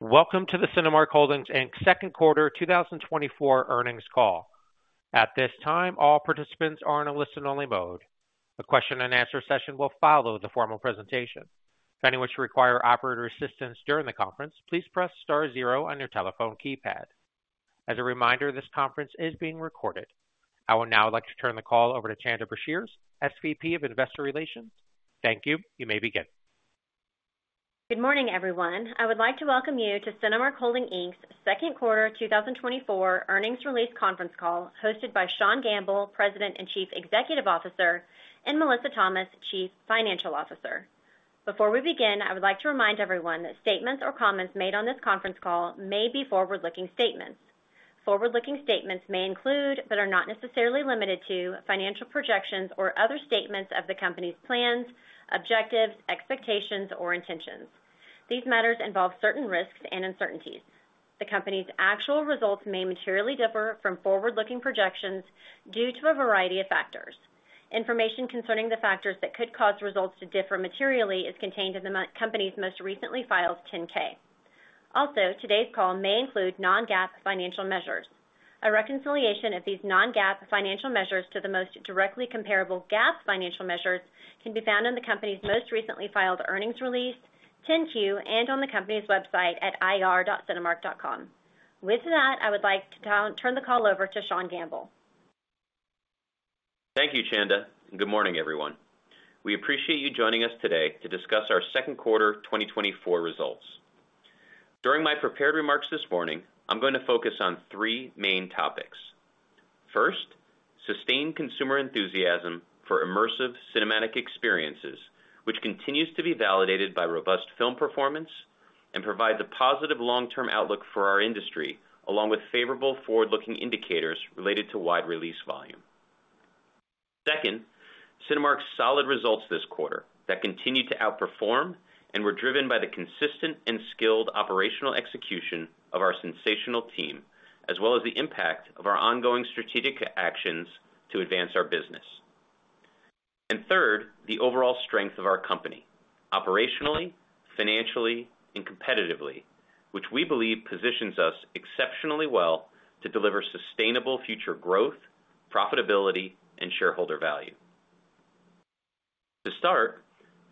Welcome to the Cinemark Holdings Inc second quarter 2024 earnings call. At this time, all participants are in a listen-only mode. A question-and-answer session will follow the formal presentation. If any which require operator assistance during the conference, please press star zero on your telephone keypad. As a reminder, this conference is being recorded. I would now like to turn the call over to Chanda Brashears, SVP of Investor Relations. Thank you. You may begin Good morning, everyone. I would like to welcome you to Cinemark Holdings Inc's second quarter 2024 earnings release conference call, hosted by Sean Gamble, President and Chief Executive Officer, and Melissa Thomas, Chief Financial Officer. Before we begin, I would like to remind everyone that statements or comments made on this conference call may be forward-looking statements. Forward-looking statements may include, but are not necessarily limited to, financial projections or other statements of the company's plans, objectives, expectations, or intentions. These matters involve certain risks and uncertainties. The company's actual results may materially differ from forward-looking projections due to a variety of factors. Information concerning the factors that could cause results to differ materially is contained in the company's most recently filed 10-K. Also, today's call may include non-GAAP financial measures. A reconciliation of these non-GAAP financial measures to the most directly comparable GAAP financial measures can be found in the company's most recently filed earnings release, 10-Q, and on the company's website at IR.Cinemark.com. With that, I would like to turn the call over to Sean Gamble. Thank you, Chanda, and good morning, everyone. We appreciate you joining us today to discuss our second quarter 2024 results. During my prepared remarks this morning, I'm going to focus on three main topics. First, sustained consumer enthusiasm for immersive cinematic experiences, which continues to be validated by robust film performance and provide the positive long-term outlook for our industry, along with favorable forward-looking indicators related to wide release volume. Second, Cinemark's solid results this quarter that continued to outperform and were driven by the consistent and skilled operational execution of our sensational team, as well as the impact of our ongoing strategic actions to advance our business. And third, the overall strength of our company, operationally, financially, and competitively, which we believe positions us exceptionally well to deliver sustainable future growth, profitability, and shareholder value. To start,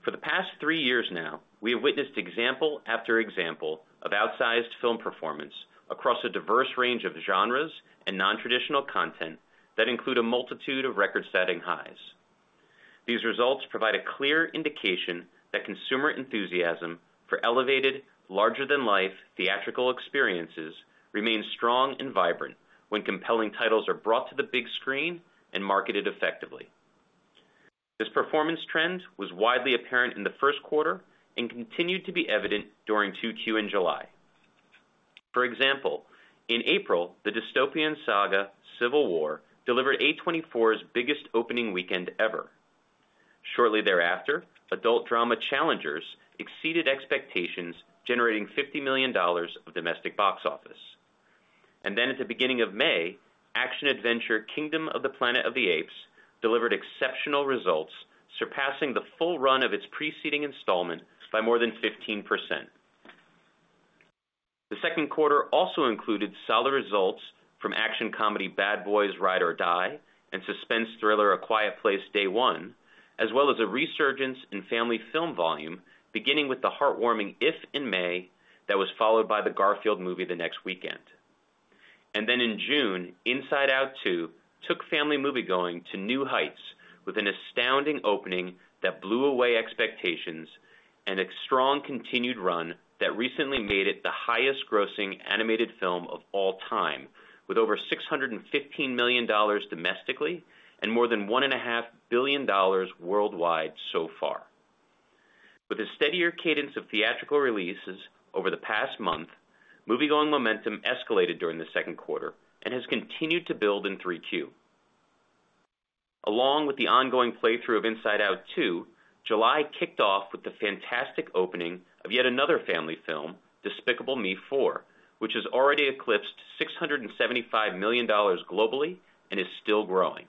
for the past three years now, we have witnessed example after example of outsized film performance across a diverse range of genres and non-traditional content that include a multitude of record-setting highs. These results provide a clear indication that consumer enthusiasm for elevated, larger-than-life theatrical experiences remains strong and vibrant when compelling titles are brought to the big screen and marketed effectively. This performance trend was widely apparent in the first quarter and continued to be evident during 2Q in July. For example, in April, the dystopian saga, Civil War, delivered A24's biggest opening weekend ever. Shortly thereafter, adult drama Challengers exceeded expectations, generating $50 million of domestic box office. And then at the beginning of May, action-adventure, Kingdom of the Planet of the Apes, delivered exceptional results, surpassing the full run of its preceding installment by more than 15%. The second quarter also included solid results from action comedy, Bad Boys: Ride or Die, and suspense thriller, A Quiet Place: Day One, as well as a resurgence in family film volume, beginning with the heartwarming IF in May, that was followed by The Garfield Movie the next weekend. Then in June, Inside Out 2 took family movie-going to new heights with an astounding opening that blew away expectations and a strong continued run that recently made it the highest-grossing animated film of all time, with over $615 million domestically and more than $1.5 billion worldwide so far. With a steadier cadence of theatrical releases over the past month, movie-going momentum escalated during the second quarter and has continued to build in 3Q. Along with the ongoing play through of Inside Out 2, July kicked off with the fantastic opening of yet another family film, Despicable Me 4, which has already eclipsed $675 million globally and is still growing.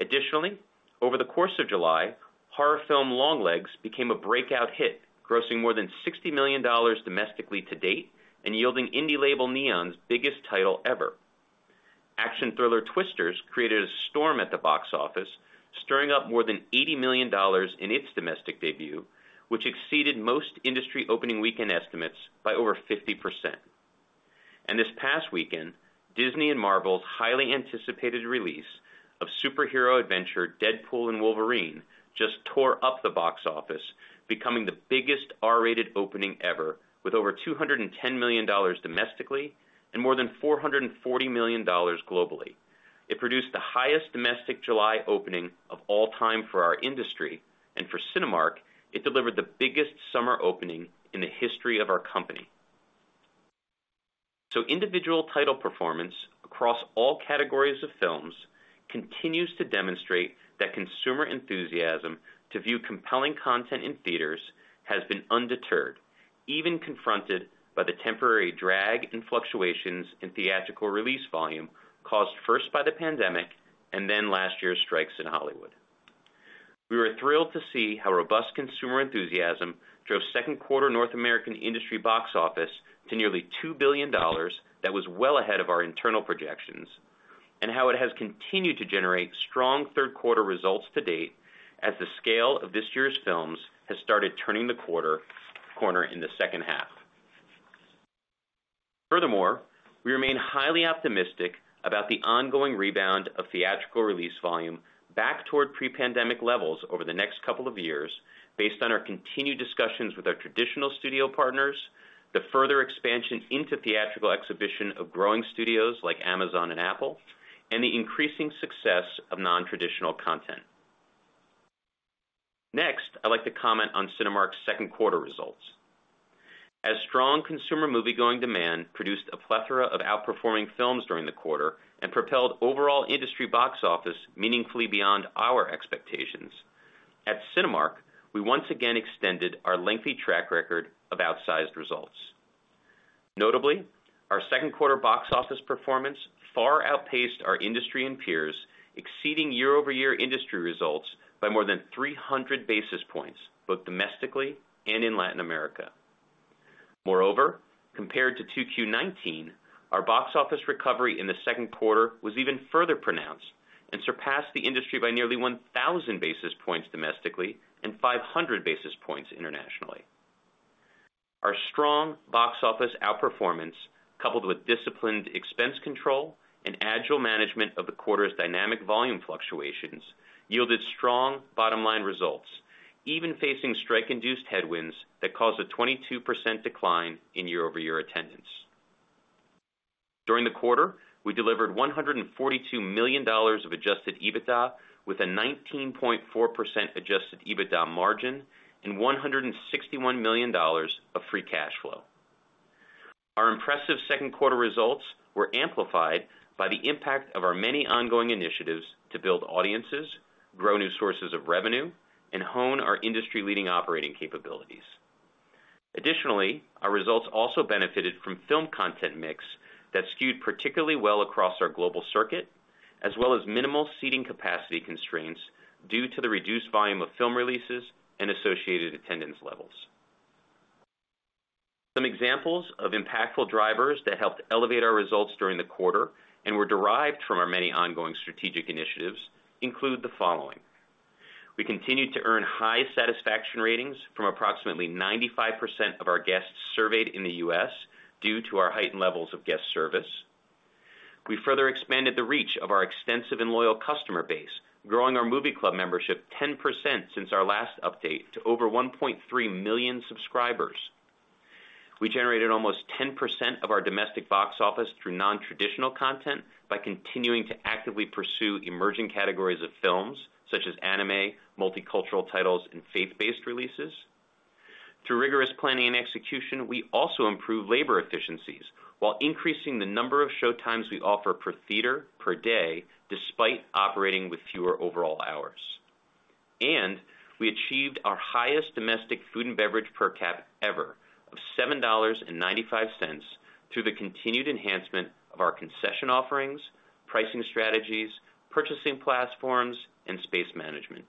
Additionally, over the course of July, horror film, Longlegs, became a breakout hit, grossing more than $60 million domestically to date and yielding indie label NEON's biggest title ever. Action thriller, Twisters, created a storm at the box office, stirring up more than $80 million in its domestic debut, which exceeded most industry opening weekend estimates by over 50%. And this past weekend, Disney and Marvel's highly anticipated release of superhero adventure, Deadpool & Wolverine, just tore up the box office, becoming the biggest R-rated opening ever, with over $210 million domestically and more than $440 million globally. It produced the highest domestic July opening of all time for our industry, and for Cinemark, it delivered the biggest summer opening in the history of our company. So individual title performance across all categories of films continues to demonstrate that consumer enthusiasm to view compelling content in theaters has been undeterred, even confronted by the temporary drag and fluctuations in theatrical release volume, caused first by the pandemic and then last year's strikes in Hollywood. We were thrilled to see how robust consumer enthusiasm drove second quarter North American industry box office to nearly $2 billion. That was well ahead of our internal projections, and how it has continued to generate strong third quarter results to date as the scale of this year's films has started turning the quarter, corner in the second half. Furthermore, we remain highly optimistic about the ongoing rebound of theatrical release volume back toward pre-pandemic levels over the next couple of years, based on our continued discussions with our traditional studio partners, the further expansion into theatrical exhibition of growing studios like Amazon and Apple, and the increasing success of nontraditional content. Next, I'd like to comment on Cinemark's second quarter results. As strong consumer movie-going demand produced a plethora of outperforming films during the quarter, and propelled overall industry box office meaningfully beyond our expectations, at Cinemark, we once again extended our lengthy track record of outsized results. Notably, our second quarter box office performance far outpaced our industry and peers, exceeding year-over-year industry results by more than 300 basis points, both domestically and in Latin America. Moreover, compared to 2Q 2019, our box office recovery in the second quarter was even further pronounced and surpassed the industry by nearly 1,000 basis points domestically and 500 basis points internationally. Our strong box office outperformance, coupled with disciplined expense control and agile management of the quarter's dynamic volume fluctuations, yielded strong bottom-line results, even facing strike-induced headwinds that caused a 22% decline in year-over-year attendance. During the quarter, we delivered $142 million of adjusted EBITDA, with a 19.4% adjusted EBITDA margin and $161 million of free cash flow. Our impressive second quarter results were amplified by the impact of our many ongoing initiatives to build audiences, grow new sources of revenue, and hone our industry-leading operating capabilities. Additionally, our results also benefited from film content mix that skewed particularly well across our global circuit, as well as minimal seating capacity constraints due to the reduced volume of film releases and associated attendance levels. Some examples of impactful drivers that helped elevate our results during the quarter and were derived from our many ongoing strategic initiatives include the following: We continued to earn high satisfaction ratings from approximately 95% of our guests surveyed in the U.S. due to our heightened levels of guest service. We further expanded the reach of our extensive and loyal customer base, growing our Movie Club membership 10% since our last update to over 1.3 million subscribers. We generated almost 10% of our domestic box office through nontraditional content by continuing to actively pursue emerging categories of films such as anime, multicultural titles, and faith-based releases. Through rigorous planning and execution, we also improved labor efficiencies while increasing the number of showtimes we offer per theater per day, despite operating with fewer overall hours. We achieved our highest domestic food and beverage per cap ever of $7.95 through the continued enhancement of our concession offerings, pricing strategies, purchasing platforms, and space management.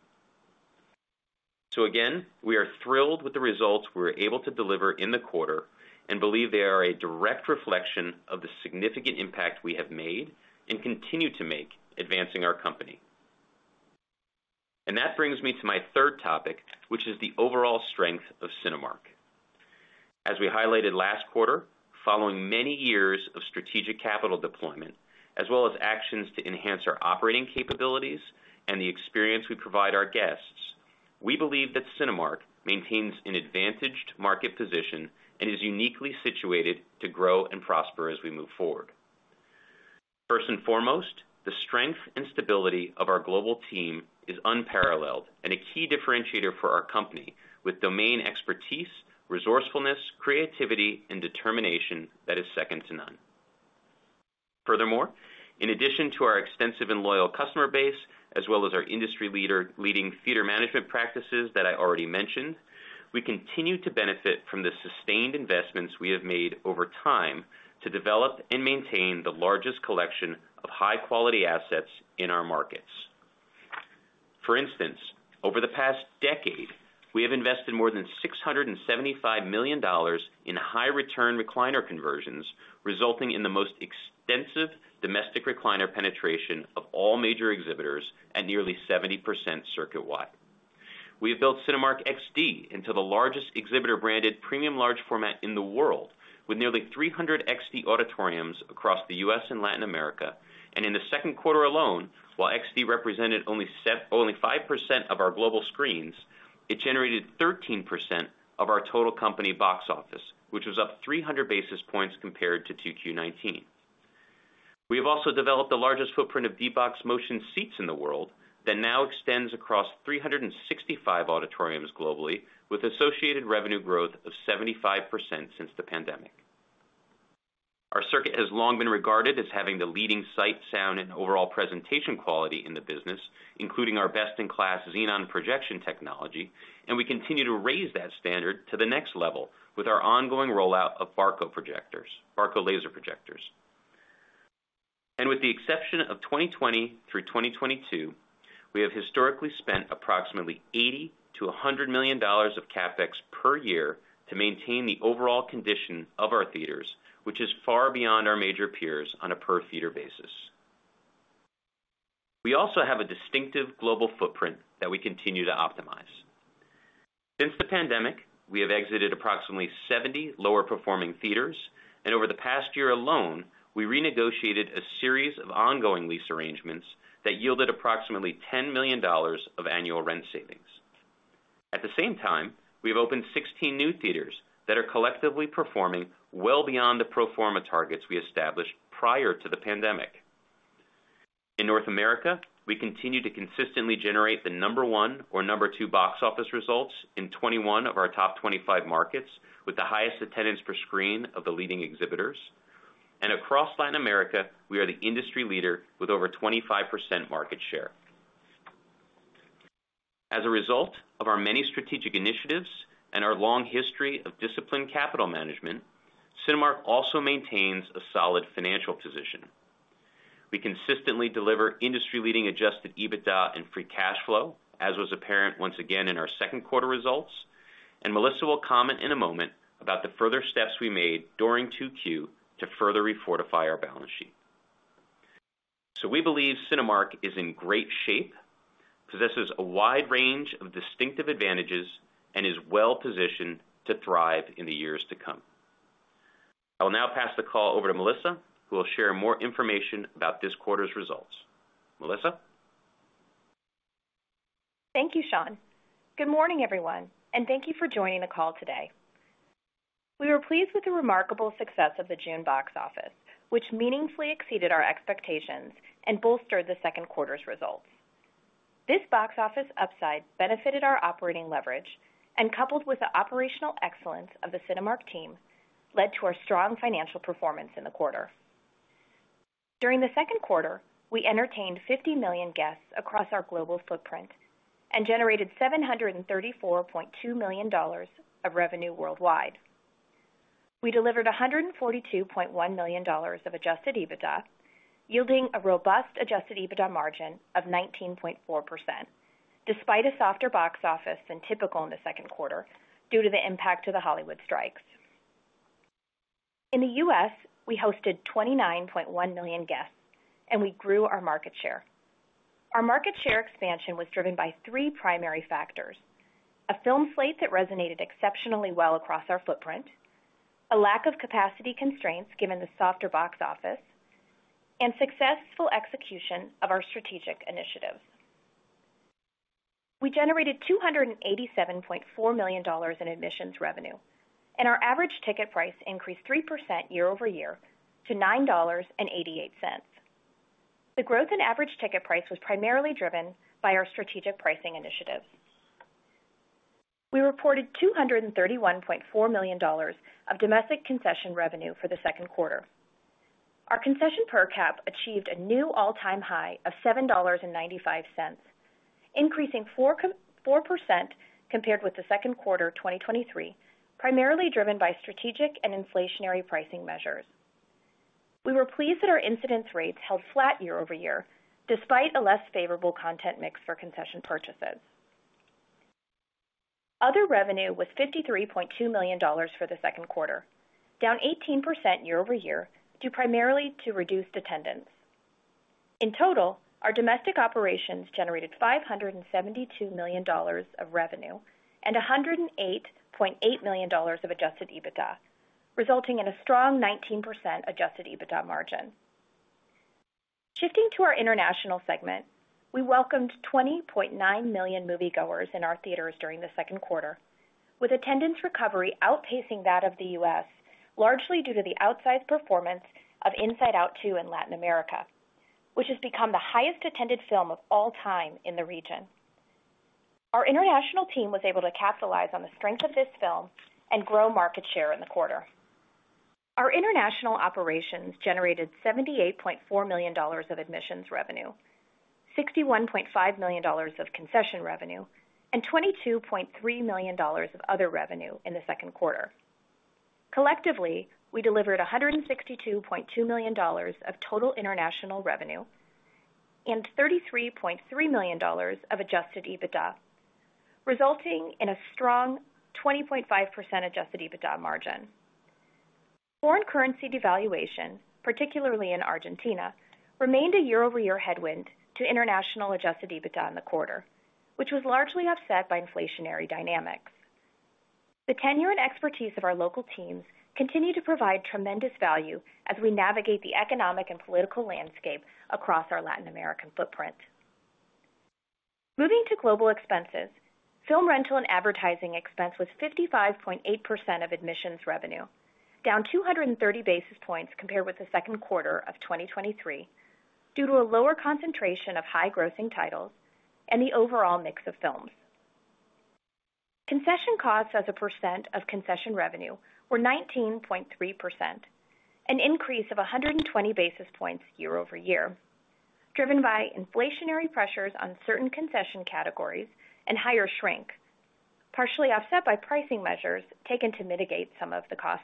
Again, we are thrilled with the results we were able to deliver in the quarter and believe they are a direct reflection of the significant impact we have made and continue to make advancing our company. That brings me to my third topic, which is the overall strength of Cinemark. As we highlighted last quarter, following many years of strategic capital deployment, as well as actions to enhance our operating capabilities and the experience we provide our guests, we believe that Cinemark maintains an advantaged market position and is uniquely situated to grow and prosper as we move forward. First and foremost, the strength and stability of our global team is unparalleled and a key differentiator for our company with domain expertise, resourcefulness, creativity, and determination that is second to none. Furthermore, in addition to our extensive and loyal customer base, as well as our industry-leading theater management practices that I already mentioned, we continue to benefit from the sustained investments we have made over time to develop and maintain the largest collection of high-quality assets in our markets. For instance, over the past decade, we have invested more than $675 million in high-return recliner conversions, resulting in the most extensive domestic recliner penetration of all major exhibitors at nearly 70% circuit-wide. We have built Cinemark XD into the largest exhibitor-branded, premium large format in the world, with nearly 300 XD auditoriums across the U.S. and Latin America. In the second quarter alone, while XD represented only 5% of our global screens, it generated 13% of our total company box office, which was up 300 basis points compared to 2Q 2019. We have also developed the largest footprint of D-Box motion seats in the world that now extends across 365 auditoriums globally, with associated revenue growth of 75% since the pandemic. Our circuit has long been regarded as having the leading sight, sound, and overall presentation quality in the business, including our best-in-class Xenon Projection Technology, and we continue to raise that standard to the next level with our ongoing rollout of Barco projectors, Barco laser projectors. With the exception of 2020 through 2022, we have historically spent approximately $80 million-$100 million of CapEx per year to maintain the overall condition of our theaters, which is far beyond our major peers on a per theater basis. We also have a distinctive global footprint that we continue to optimize. Since the pandemic, we have exited approximately 70 lower-performing theaters, and over the past year alone, we renegotiated a series of ongoing lease arrangements that yielded approximately $10 million of annual rent savings. At the same time, we've opened 16 new theaters that are collectively performing well beyond the pro forma targets we established prior to the pandemic. In North America, we continue to consistently generate the number one or number two box office results in 21 of our top 25 markets, with the highest attendance per screen of the leading exhibitors. Across Latin America, we are the industry leader with over 25% market share. As a result of our many strategic initiatives and our long history of disciplined capital management, Cinemark also maintains a solid financial position. We consistently deliver industry-leading adjusted EBITDA and free cash flow, as was apparent once again in our second quarter results, and Melissa will comment in a moment about the further steps we made during 2Q to further refortify our balance sheet. We believe Cinemark is in great shape, possesses a wide range of distinctive advantages, and is well-positioned to thrive in the years to come. I will now pass the call over to Melissa, who will share more information about this quarter's results. Melissa? Thank you, Sean. Good morning, everyone, and thank you for joining the call today. We were pleased with the remarkable success of the June box office, which meaningfully exceeded our expectations and bolstered the second quarter's results. This box office upside benefited our operating leverage and, coupled with the operational excellence of the Cinemark team, led to our strong financial performance in the quarter. During the second quarter, we entertained 50 million guests across our global footprint and generated $734.2 million of revenue worldwide. We delivered $142.1 million of adjusted EBITDA, yielding a robust adjusted EBITDA margin of 19.4%, despite a softer box office than typical in the second quarter due to the impact of the Hollywood strikes. In the U.S., we hosted 29.1 million guests, and we grew our market share. Our market share expansion was driven by three primary factors: a film slate that resonated exceptionally well across our footprint, a lack of capacity constraints given the softer box office, and successful execution of our strategic initiatives. We generated $287.4 million in admissions revenue, and our average ticket price increased 3% year-over-year to $9.88. The growth in average ticket price was primarily driven by our strategic pricing initiatives. We reported $231.4 million of domestic concession revenue for the second quarter. Our concession per cap achieved a new all-time high of $7.95, increasing 4% compared with the second quarter of 2023, primarily driven by strategic and inflationary pricing measures. We were pleased that our incidence rates held flat year-over-year, despite a less favorable content mix for concession purchases. Other revenue was $53.2 million for the second quarter, down 18% year-over-year, due primarily to reduced attendance. In total, our domestic operations generated $572 million of revenue and $108.8 million of adjusted EBITDA, resulting in a strong 19% adjusted EBITDA margin. Shifting to our international segment, we welcomed 20.9 million movie-goers in our theaters during the second quarter, with attendance recovery outpacing that of the U.S., largely due to the outsized performance of Inside Out 2 in Latin America, which has become the highest attended film of all time in the region. Our international team was able to capitalize on the strength of this film and grow market share in the quarter. Our International operations generated $78.4 million of admissions revenue, $61.5 million of concession revenue, and $22.3 million of other revenue in the second quarter. Collectively, we delivered $162.2 million of total international revenue and $33.3 million of adjusted EBITDA, resulting in a strong 20.5% adjusted EBITDA margin. Foreign currency devaluation, particularly in Argentina, remained a year-over-year headwind to international adjusted EBITDA in the quarter, which was largely offset by inflationary dynamics. The tenure and expertise of our local teams continue to provide tremendous value as we navigate the economic and political landscape across our Latin American footprint. Moving to global expenses, film rental and advertising expense was 55.8% of admissions revenue, down 230 basis points compared with the second quarter of 2023, due to a lower concentration of high grossing titles and the overall mix of films. Concession costs as a percent of concession revenue were 19.3%, an increase of 120 basis points year-over-year, driven by inflationary pressures on certain concession categories and higher shrink, partially offset by pricing measures taken to mitigate some of the cost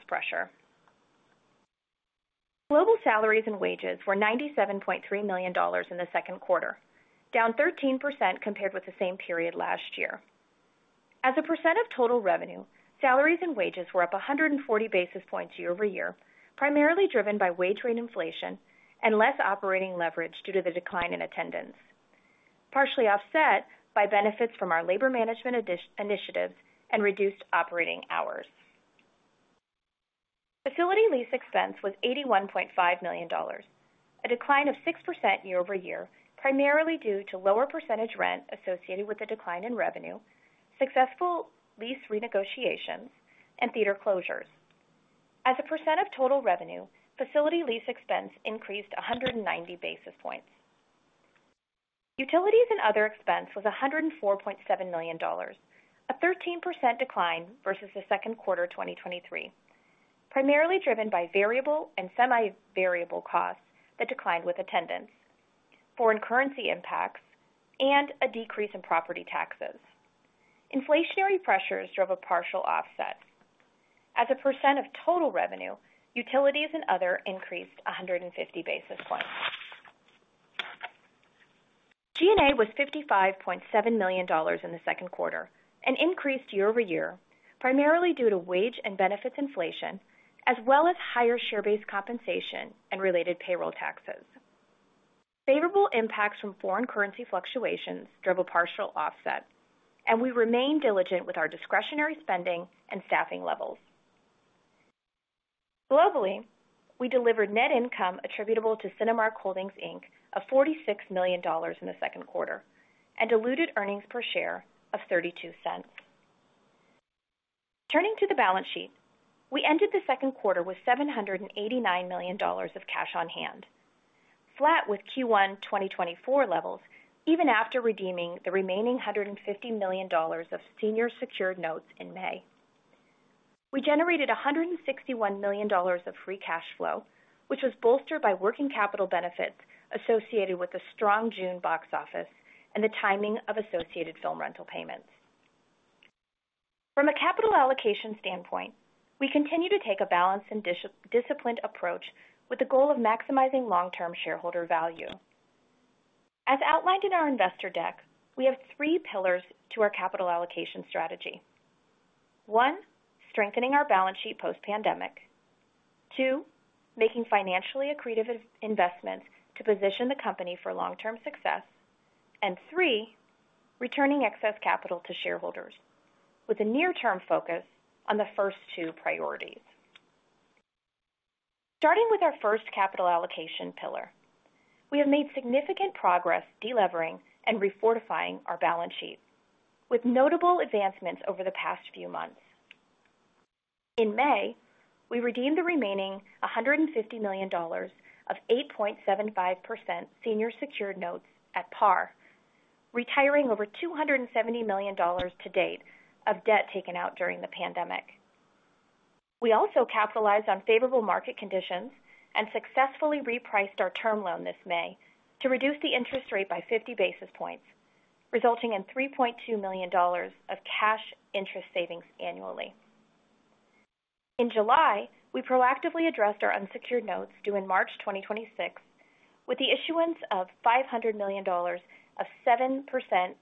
pressure. Global salaries and wages were $97.3 million in the second quarter, down 13% compared with the same period last year. As a percent of total revenue, salaries and wages were up 140 basis points year-over-year, primarily driven by wage rate inflation and less operating leverage due to the decline in attendance, partially offset by benefits from our labor management additional initiatives and reduced operating hours. Facility lease expense was $81.5 million, a decline of 6% year-over-year, primarily due to lower percentage rent associated with the decline in revenue, successful lease renegotiations, and theater closures. As a percent of total revenue, facility lease expense increased 190 basis points. Utilities and other expense was $104.7 million, a 13% decline versus the second quarter 2023, primarily driven by variable and semi-variable costs that declined with attendance, foreign currency impacts, and a decrease in property taxes. Inflationary pressures drove a partial offset. As a percent of total revenue, utilities and other increased 150 basis points. G&A was $55.7 million in the second quarter and increased year-over-year, primarily due to wage and benefits inflation, as well as higher share-based compensation and related payroll taxes. Favorable impacts from foreign currency fluctuations drove a partial offset, and we remain diligent with our discretionary spending and staffing levels. Globally, we delivered net income attributable to Cinemark Holdings, Inc of $46 million in the second quarter and diluted earnings per share of $0.32. Turning to the balance sheet, we ended the second quarter with $789 million of cash on hand, flat with Q1 2024 levels, even after redeeming the remaining $150 million of senior secured notes in May. We generated $161 million of free cash flow, which was bolstered by working capital benefits associated with the strong June box office and the timing of associated film rental payments. From a capital allocation standpoint, we continue to take a balanced and disciplined approach with the goal of maximizing long-term shareholder value. As outlined in our investor deck, we have three pillars to our capital allocation strategy. One, strengthening our balance sheet post-pandemic. Two, making financially accretive investments to position the company for long-term success. And three, returning excess capital to shareholders with a near-term focus on the first two priorities. Starting with our first capital allocation pillar, we have made significant progress delevering and refortifying our balance sheet, with notable advancements over the past few months. In May, we redeemed the remaining $150 million of 8.75% senior secured notes at par, retiring over $270 million to date of debt taken out during the pandemic. We also capitalized on favorable market conditions and successfully repriced our term loan this May to reduce the interest rate by 50 basis points, resulting in $3.2 million of cash interest savings annually. In July, we proactively addressed our unsecured notes due in March 2026, with the issuance of $500 million of 7%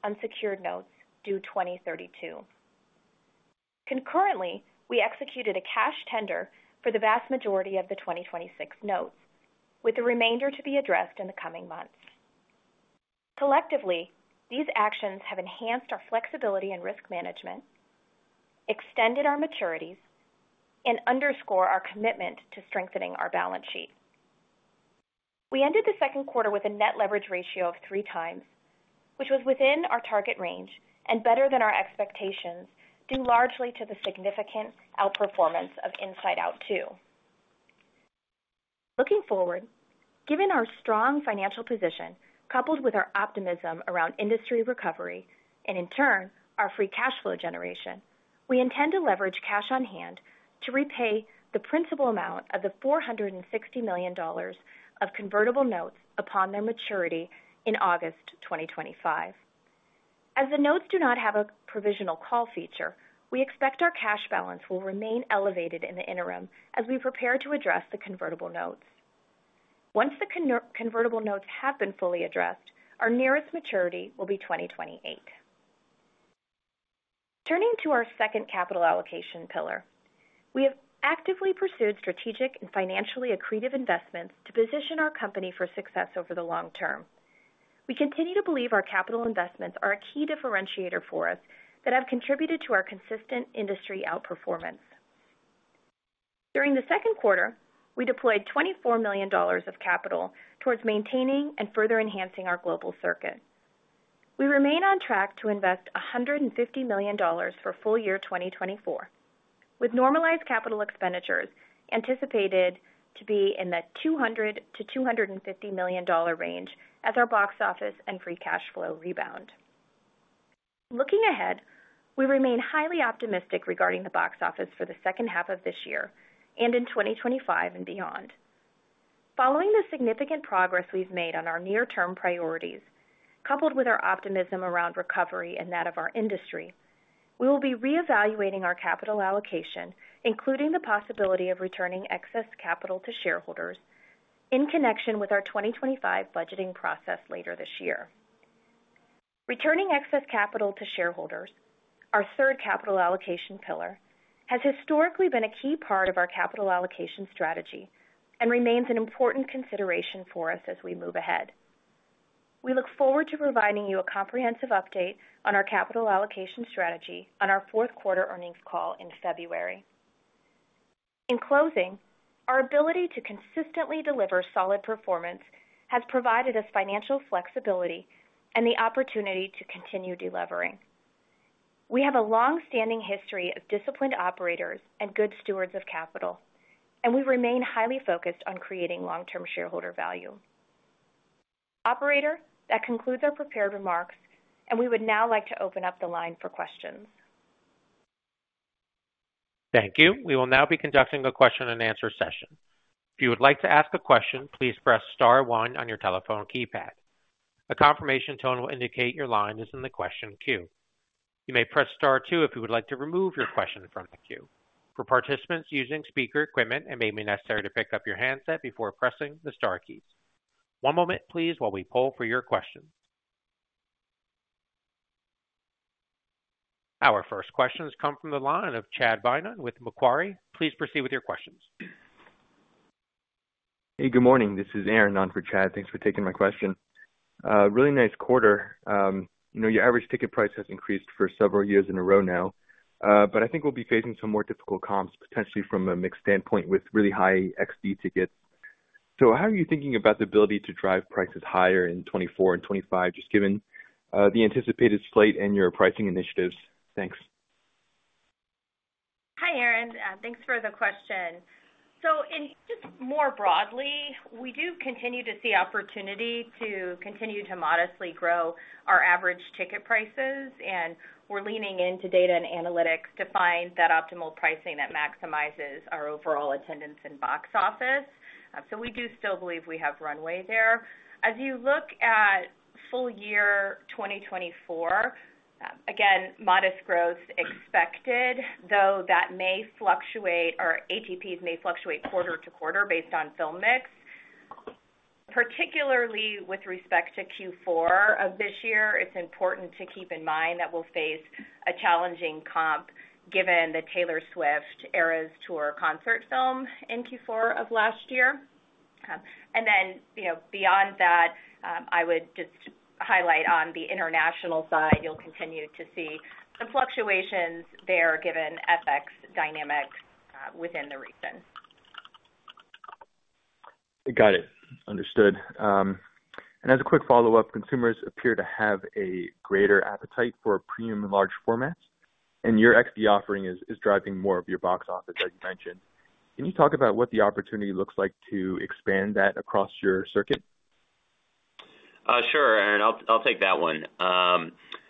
unsecured notes due 2032. Concurrently, we executed a cash tender for the vast majority of the 2026 notes, with the remainder to be addressed in the coming months. Collectively, these actions have enhanced our flexibility and risk management, extended our maturities, and underscore our commitment to strengthening our balance sheet. We ended the second quarter with a net leverage ratio of 3x, which was within our target range and better than our expectations, due largely to the significant outperformance of Inside Out 2. Looking forward, given our strong financial position, coupled with our optimism around industry recovery and, in turn, our free cash flow generation, we intend to leverage cash on hand to repay the principal amount of the $460 million of convertible notes upon their maturity in August 2025. As the notes do not have a provisional call feature, we expect our cash balance will remain elevated in the interim as we prepare to address the convertible notes. Once the convertible notes have been fully addressed, our nearest maturity will be 2028. Turning to our second capital allocation pillar, we have actively pursued strategic and financially accretive investments to position our company for success over the long term. We continue to believe our capital investments are a key differentiator for us that have contributed to our consistent industry outperformance. During the second quarter, we deployed $24 million of capital towards maintaining and further enhancing our global circuit. We remain on track to invest $150 million for full-year 2024, with normalized capital expenditures anticipated to be in the $200 million-$250 million range as our box office and free cash flow rebound. Looking ahead, we remain highly optimistic regarding the box office for the second half of this year and in 2025 and beyond. Following the significant progress we've made on our near-term priorities, coupled with our optimism around recovery and that of our industry, we will be reevaluating our capital allocation, including the possibility of returning excess capital to shareholders in connection with our 2025 budgeting process later this year. Returning excess capital to shareholders, our third capital allocation pillar, has historically been a key part of our capital allocation strategy and remains an important consideration for us as we move ahead. We look forward to providing you a comprehensive update on our capital allocation strategy on our fourth quarter earnings call in February. In closing, our ability to consistently deliver solid performance has provided us financial flexibility and the opportunity to continue delevering. We have a long-standing history of disciplined operators and good stewards of capital, and we remain highly focused on creating long-term shareholder value. Operator, that concludes our prepared remarks, and we would now like to open up the line for questions. Thank you. We will now be conducting a question and answer session. If you would like to ask a question, please press star one on your telephone keypad. A confirmation tone will indicate your line is in the question queue. You may press star two if you would like to remove your question from the queue. For participants using speaker equipment, it may be necessary to pick up your handset before pressing the star keys. One moment, please, while we poll for your question. Our first questions come from the line of Chad Beynon with Macquarie. Please proceed with your questions. Hey, good morning. This is Aaron, on for Chad. Thanks for taking my question. Really nice quarter. You know, your average ticket price has increased for several years in a row now, but I think we'll be facing some more difficult comps, potentially from a mix standpoint with really high XD tickets. So how are you thinking about the ability to drive prices higher in 2024 and 2025, just given the anticipated slate and your pricing initiatives? Thanks. Hi, Aaron, thanks for the question. So in just more broadly, we do continue to see opportunity to continue to modestly grow our average ticket prices, and we're leaning into data and analytics to find that optimal pricing that maximizes our overall attendance and box office. So we do still believe we have runway there. As you look at full-year 2024, again, modest growth expected, though, that may fluctuate, or ATPs may fluctuate quarter to quarter based on film mix. Particularly with respect to Q4 of this year, it's important to keep in mind that we'll face a challenging comp, given the Taylor Swift Eras Tour concert film in Q4 of last year. And then, you know, beyond that, I would just highlight on the international side, you'll continue to see some fluctuations there, given FX dynamics, within the region. Got it. Understood. As a quick follow-up, consumers appear to have a greater appetite for premium large formats, and your XD offering is driving more of your box office, as you mentioned. Can you talk about what the opportunity looks like to expand that across your circuit? Sure, Aaron, I'll take that one.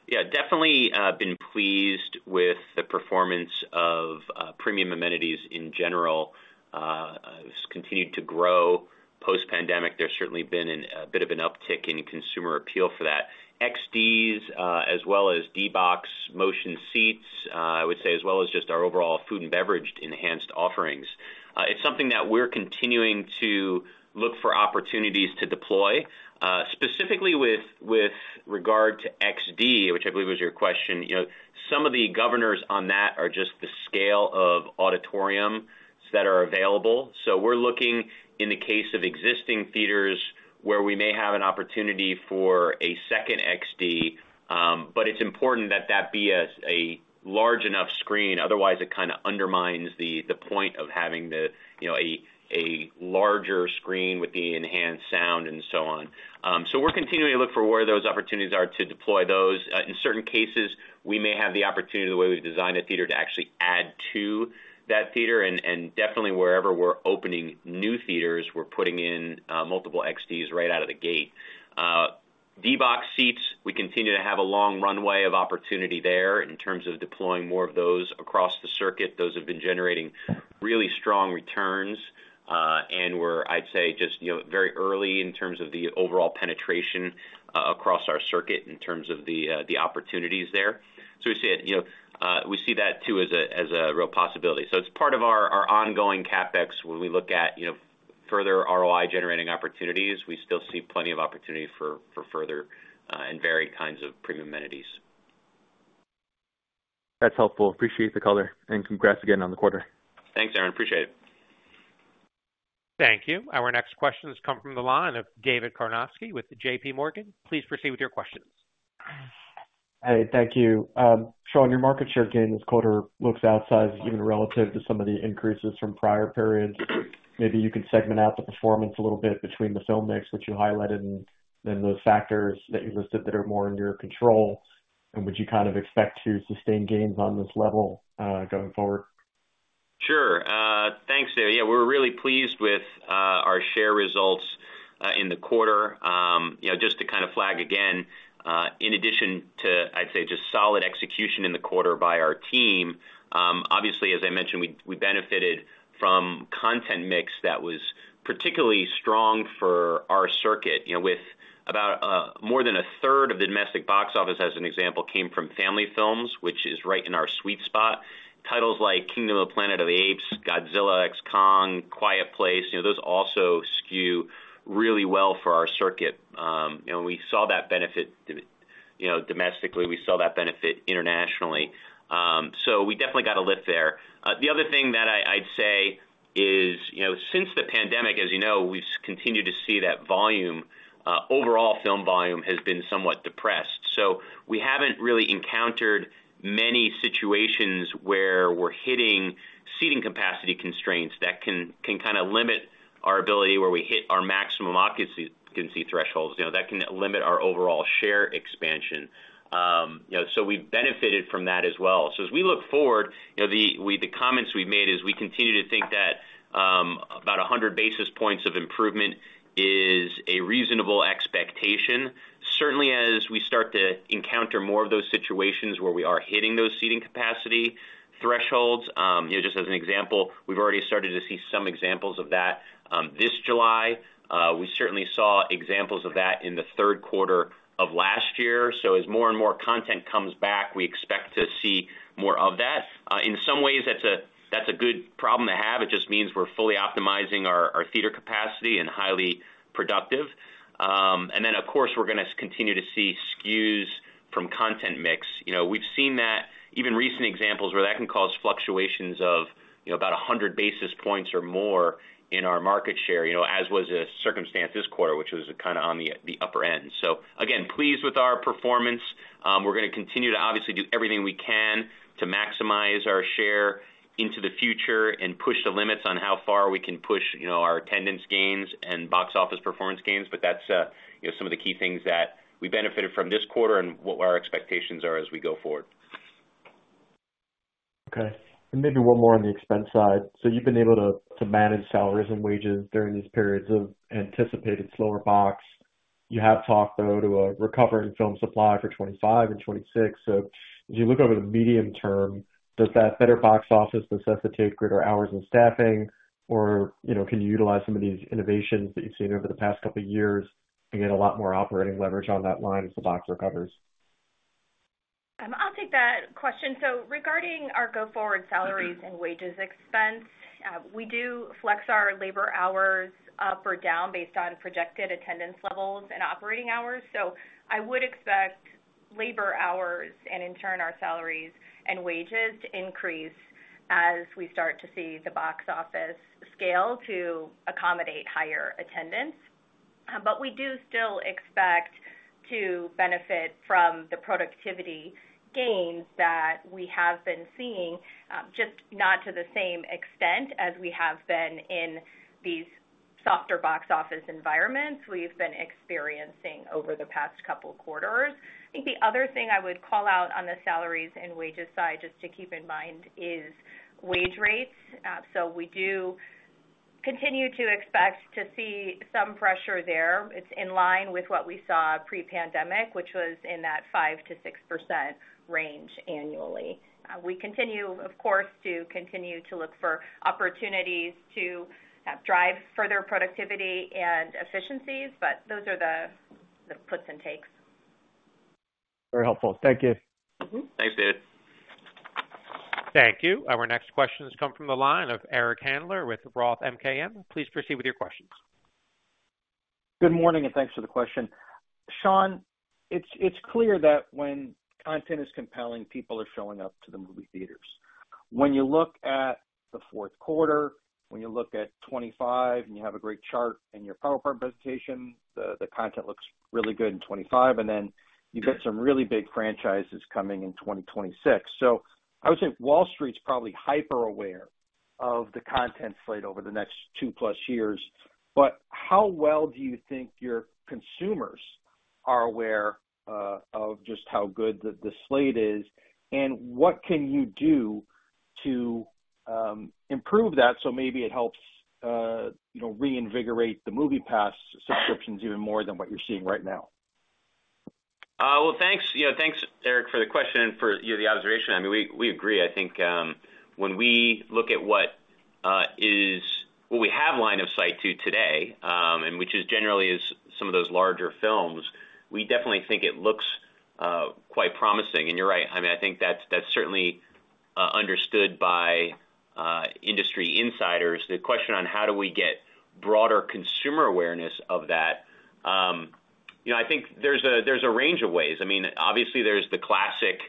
Yeah, definitely, been pleased with the performance of premium amenities in general, it's continued to grow. Post-pandemic, there's certainly been a bit of an uptick in consumer appeal for that. XDs, as well as D-BOX motion seats, I would say, as well as just our overall food and beverage-enhanced offerings. It's something that we're continuing to look for opportunities to deploy. Specifically with regard to XD, which I believe was your question, you know, some of the governors on that are just the scale of auditoriums that are available. So we're looking in the case of existing theaters, where we may have an opportunity for a second XD, but it's important that that be a large enough screen, otherwise it kind of undermines the point of having the, you know, a larger screen with the enhanced sound and so on. So we're continuing to look for where those opportunities are to deploy those. In certain cases, we may have the opportunity, the way we've designed a theater, to actually add to that theater, and definitely wherever we're opening new theaters, we're putting in multiple XDs right out of the gate. D-Box seats, we continue to have a long runway of opportunity there in terms of deploying more of those across the circuit. Those have been generating really strong returns, and we're, I'd say, just, you know, very early in terms of the overall penetration across our circuit in terms of the opportunities there. So we see it, you know, we see that, too, as a real possibility. So it's part of our ongoing CapEx. When we look at, you know, further ROI-generating opportunities, we still see plenty of opportunity for further and varied kinds of premium amenities. That's helpful. Appreciate the color, and congrats again on the quarter. Thanks, Aaron. Appreciate it. Thank you. Our next question has come from the line of David Karnovsky with JPMorgan. Please proceed with your questions. Hey, thank you. Sean, your market share gain this quarter looks outsized, even relative to some of the increases from prior periods. Maybe you can segment out the performance a little bit between the film mix, which you highlighted, and then those factors that you listed that are more under your control. Would you kind of expect to sustain gains on this level, going forward? Sure. Thanks, David. Yeah, we're really pleased with our share results in the quarter, you know, just to kind of flag again, in addition to, I'd say, just solid execution in the quarter by our team, obviously, as I mentioned, we benefited from content mix that was particularly strong for our circuit, you know, with about more than a third of the domestic box office, as an example, came from family films, which is right in our sweet spot. Titles like Kingdom of the Planet of the Apes, Godzilla x Kong, A Quiet Place, you know, those also skew really well for our circuit. And we saw that benefit, you know, domestically, we saw that benefit internationally. So we definitely got a lift there. The other thing that I, I'd say is, you know, since the pandemic, as you know, we've continued to see that volume, overall film volume has been somewhat depressed. So we haven't really encountered many situations where we're hitting seating capacity constraints that can kind of limit our ability, where we hit our maximum occupancy thresholds, you know, that can limit our overall share expansion. You know, so we've benefited from that as well. So as we look forward, you know, the comments we've made is we continue to think that about 100 basis points of improvement is a reasonable expectation. Certainly, as we start to encounter more of those situations where we are hitting those seating capacity thresholds, you know, just as an example, we've already started to see some examples of that this July. We certainly saw examples of that in the third quarter of last year. So as more and more content comes back, we expect to see more of that. In some ways, that's a, that's a good problem to have. It just means we're fully optimizing our, our theater capacity and highly productive. And then, of course, we're gonna continue to see skews from content mix. You know, we've seen that even recent examples where that can cause fluctuations of, you know, about 100 basis points or more in our market share, you know, as was the circumstance this quarter, which was kind of on the, the upper end. So again, pleased with our performance. We're gonna continue to obviously do everything we can to maximize our share into the future and push the limits on how far we can push, you know, our attendance gains and box office performance gains. But that's, you know, some of the key things that we benefited from this quarter and what our expectations are as we go forward. Okay, and maybe one more on the expense side. So you've been able to, to manage salaries and wages during these periods of anticipated slower box. You have talked, though, to a recovery in film supply for 2025 and 2026. So as you look over the medium term, does that better box office necessitate greater hours in staffing? Or, you know, can you utilize some of these innovations that you've seen over the past couple of years to get a lot more operating leverage on that line as the box recovers? I'll take that question. So regarding our go-forward salaries and wages expense, we do flex our labor hours up or down based on projected attendance levels and operating hours. So I would expect labor hours, and in turn, our salaries and wages, to increase as we start to see the box office scale to accommodate higher attendance. But we do still expect to benefit from the productivity gains that we have been seeing, just not to the same extent as we have been in these softer box office environments we've been experiencing over the past couple of quarters. I think the other thing I would call out on the salaries and wages side, just to keep in mind, is wage rates. So we do continue to expect to see some pressure there. It's in line with what we saw pre-pandemic, which was in that 5%-6% range annually. We continue, of course, to continue to look for opportunities to drive further productivity and efficiencies, but those are the puts and takes. Very helpful. Thank you. Mm-hmm. Thanks, Dave. Thank you. Our next question has come from the line of Eric Handler with Roth MKM. Please proceed with your questions. Good morning, and thanks for the question. Sean, it's clear that when content is compelling, people are showing up to the movie theaters. When you look at the fourth quarter, when you look at 2025, and you have a great chart in your PowerPoint presentation, the content looks really good in 2025, and then you've got some really big franchises coming in 2026. So I would say Wall Street's probably hyper-aware of the content slate over the next 2+ years. But how well do you think your consumers are aware of just how good the slate is, and what can you do to improve that, so maybe it helps you know, reinvigorate the movie pass subscriptions even more than what you're seeing right now? Well, thanks. You know, thanks, Eric, for the question and for, you know, the observation. I mean, we agree. I think, when we look at what is what we have line of sight to today, and which is generally some of those larger films, we definitely think it looks quite promising. And you're right, I mean, I think that's certainly understood by industry insiders. The question on how do we get broader consumer awareness of that, you know, I think there's a range of ways. I mean, obviously, there's the classic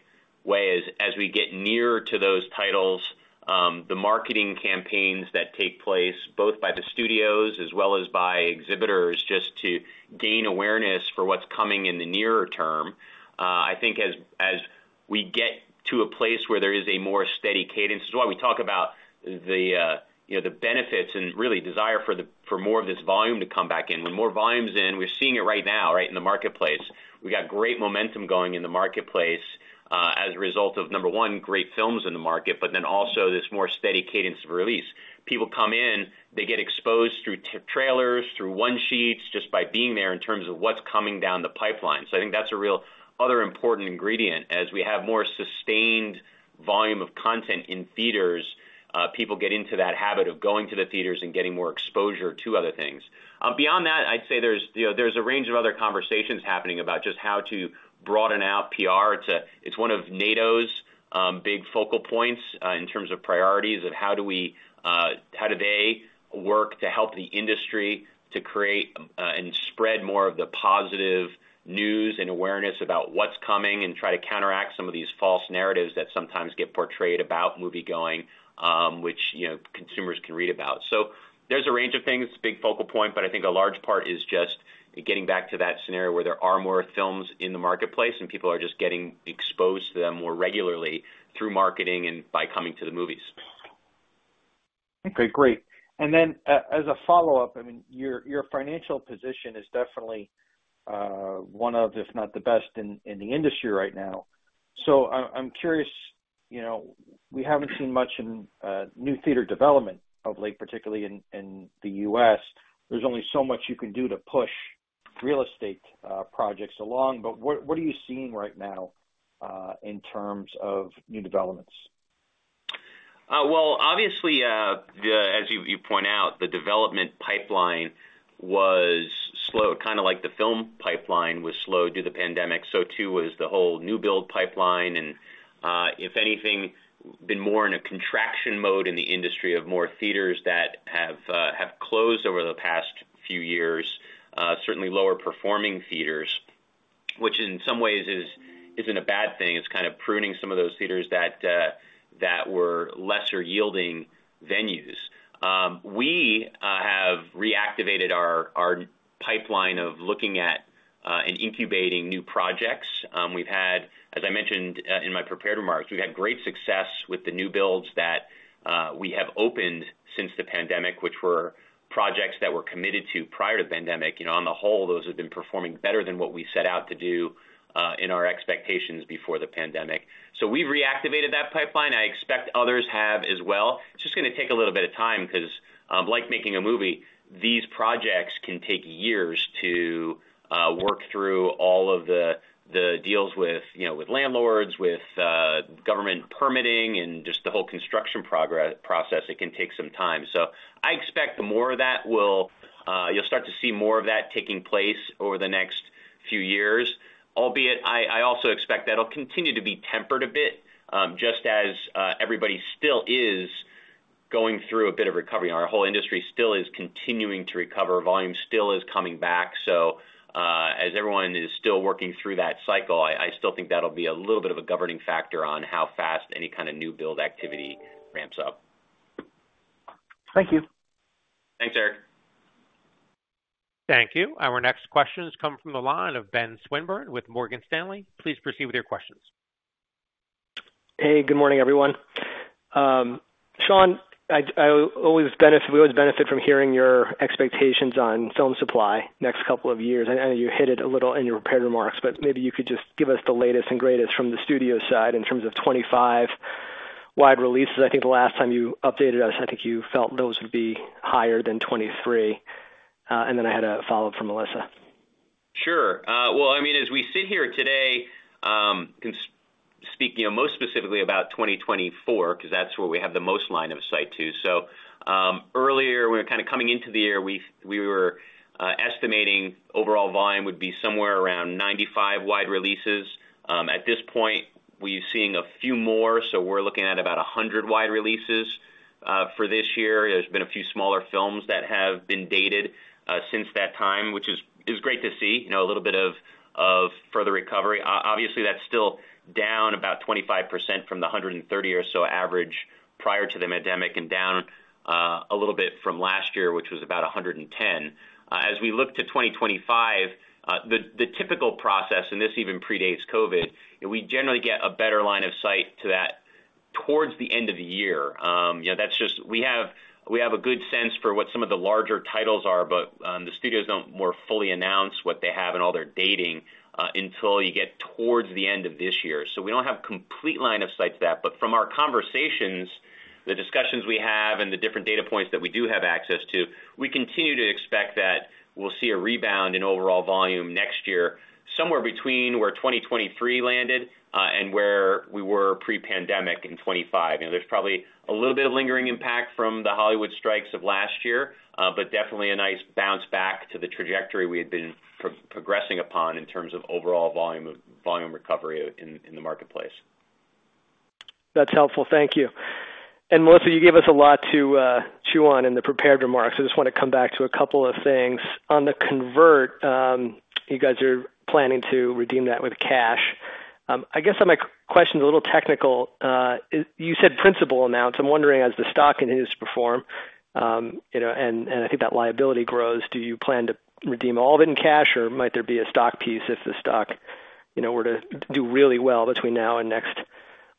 way, as we get nearer to those titles, the marketing campaigns that take place, both by the studios as well as by exhibitors, just to gain awareness for what's coming in the nearer term. I think as we get to a place where there is a more steady cadence, this is why we talk about the, you know, the benefits and really desire for the for more of this volume to come back in. When more volume is in, we're seeing it right now, right, in the marketplace. We've got great momentum going in the marketplace as a result of, number one, great films in the market, but then also this more steady cadence of release. People come in, they get exposed through trailers, through one-sheets, just by being there in terms of what's coming down the pipeline. So I think that's a real other important ingredient. As we have more sustained volume of content in theaters, people get into that habit of going to the theaters and getting more exposure to other things. Beyond that, I'd say there's, you know, there's a range of other conversations happening about just how to broaden out PR to—it's one of NATO's big focal points in terms of priorities, of how do we, how do they work to help the industry to create and spread more of the positive news and awareness about what's coming, and try to counteract some of these false narratives that sometimes get portrayed about movie-going, which, you know, consumers can read about. So there's a range of things, a big focal point, but I think a large part is just getting back to that scenario where there are more films in the marketplace, and people are just getting exposed to them more regularly through marketing and by coming to the movies. Okay, great. And then, as a follow-up, I mean, your, your financial position is definitely one of, if not the best in, in the industry right now. So I, I'm curious, you know, we haven't seen much in new theater development of late, particularly in, in the U.S. There's only so much you can do to push real estate projects along, but what, what are you seeing right now in terms of new developments? Well, obviously, as you point out, the development pipeline was slow. Kinda like the film pipeline was slow due to the pandemic, so too was the whole new build pipeline. And if anything, been more in a contraction mode in the industry of more theaters that have closed over the past few years. Certainly lower performing theaters, which in some ways isn't a bad thing. It's kind of pruning some of those theaters that were lesser yielding venues. We have reactivated our pipeline of looking at and incubating new projects. We've had, as I mentioned, in my prepared remarks, we've had great success with the new builds that we have opened since the pandemic, which were projects that were committed to prior to the pandemic. You know, on the whole, those have been performing better than what we set out to do in our expectations before the pandemic. So we've reactivated that pipeline. I expect others have as well. It's just gonna take a little bit of time, 'cause, like making a movie, these projects can take years to work through all of the deals with, you know, with landlords, with government permitting, and just the whole construction process. It can take some time. So I expect the more of that will, you'll start to see more of that taking place over the next few years. Albeit, I also expect that'll continue to be tempered a bit, just as everybody still is going through a bit of recovery. Our whole industry still is continuing to recover. Volume still is coming back, so, as everyone is still working through that cycle, I still think that'll be a little bit of a governing factor on how fast any kind of new build activity ramps up. Thank you. Thanks, Eric. Thank you. Our next question has come from the line of Ben Swinburne with Morgan Stanley. Please proceed with your questions. Hey, good morning, everyone. Sean, we always benefit from hearing your expectations on film supply next couple of years. I know you hit it a little in your prepared remarks, but maybe you could just give us the latest and greatest from the studio side in terms of 2025 wide releases. I think the last time you updated us, I think you felt those would be higher than 2023. And then I had a follow-up from Melissa. Sure. Well, I mean, as we sit here today, speaking most specifically about 2024, 'cause that's where we have the most line of sight to. So, earlier, when we were kind of coming into the year, we were estimating overall volume would be somewhere around 95 wide releases. At this point, we're seeing a few more, so we're looking at about 100 wide releases for this year. There's been a few smaller films that have been dated since that time, which is great to see, you know, a little bit of further recovery. Obviously, that's still down about 25% from the 130 or so average prior to the pandemic, and down a little bit from last year, which was about 110. As we look to 2025, the typical process, and this even predates COVID, and we generally get a better line of sight to that towards the end of the year. You know, that's just... We have a good sense for what some of the larger titles are, but the studios don't more fully announce what they have and all their dating until you get towards the end of this year. So we don't have complete line of sight to that, but from our conversations, the discussions we have and the different data points that we do have access to, we continue to expect that we'll see a rebound in overall volume next year, somewhere between where 2023 landed and where we were pre-pandemic in 2025. You know, there's probably a little bit of lingering impact from the Hollywood strikes of last year, but definitely a nice bounce back to the trajectory we had been progressing upon in terms of overall volume recovery in the marketplace. That's helpful. Thank you. And Melissa, you gave us a lot to chew on in the prepared remarks. I just wanna come back to a couple of things. On the convert, you guys are planning to redeem that with cash. I guess my question is a little technical. You said principal amounts. I'm wondering, as the stock continues to perform, you know, and I think that liability grows, do you plan to redeem all of it in cash, or might there be a stock piece if the stock, you know, were to do really well between now and next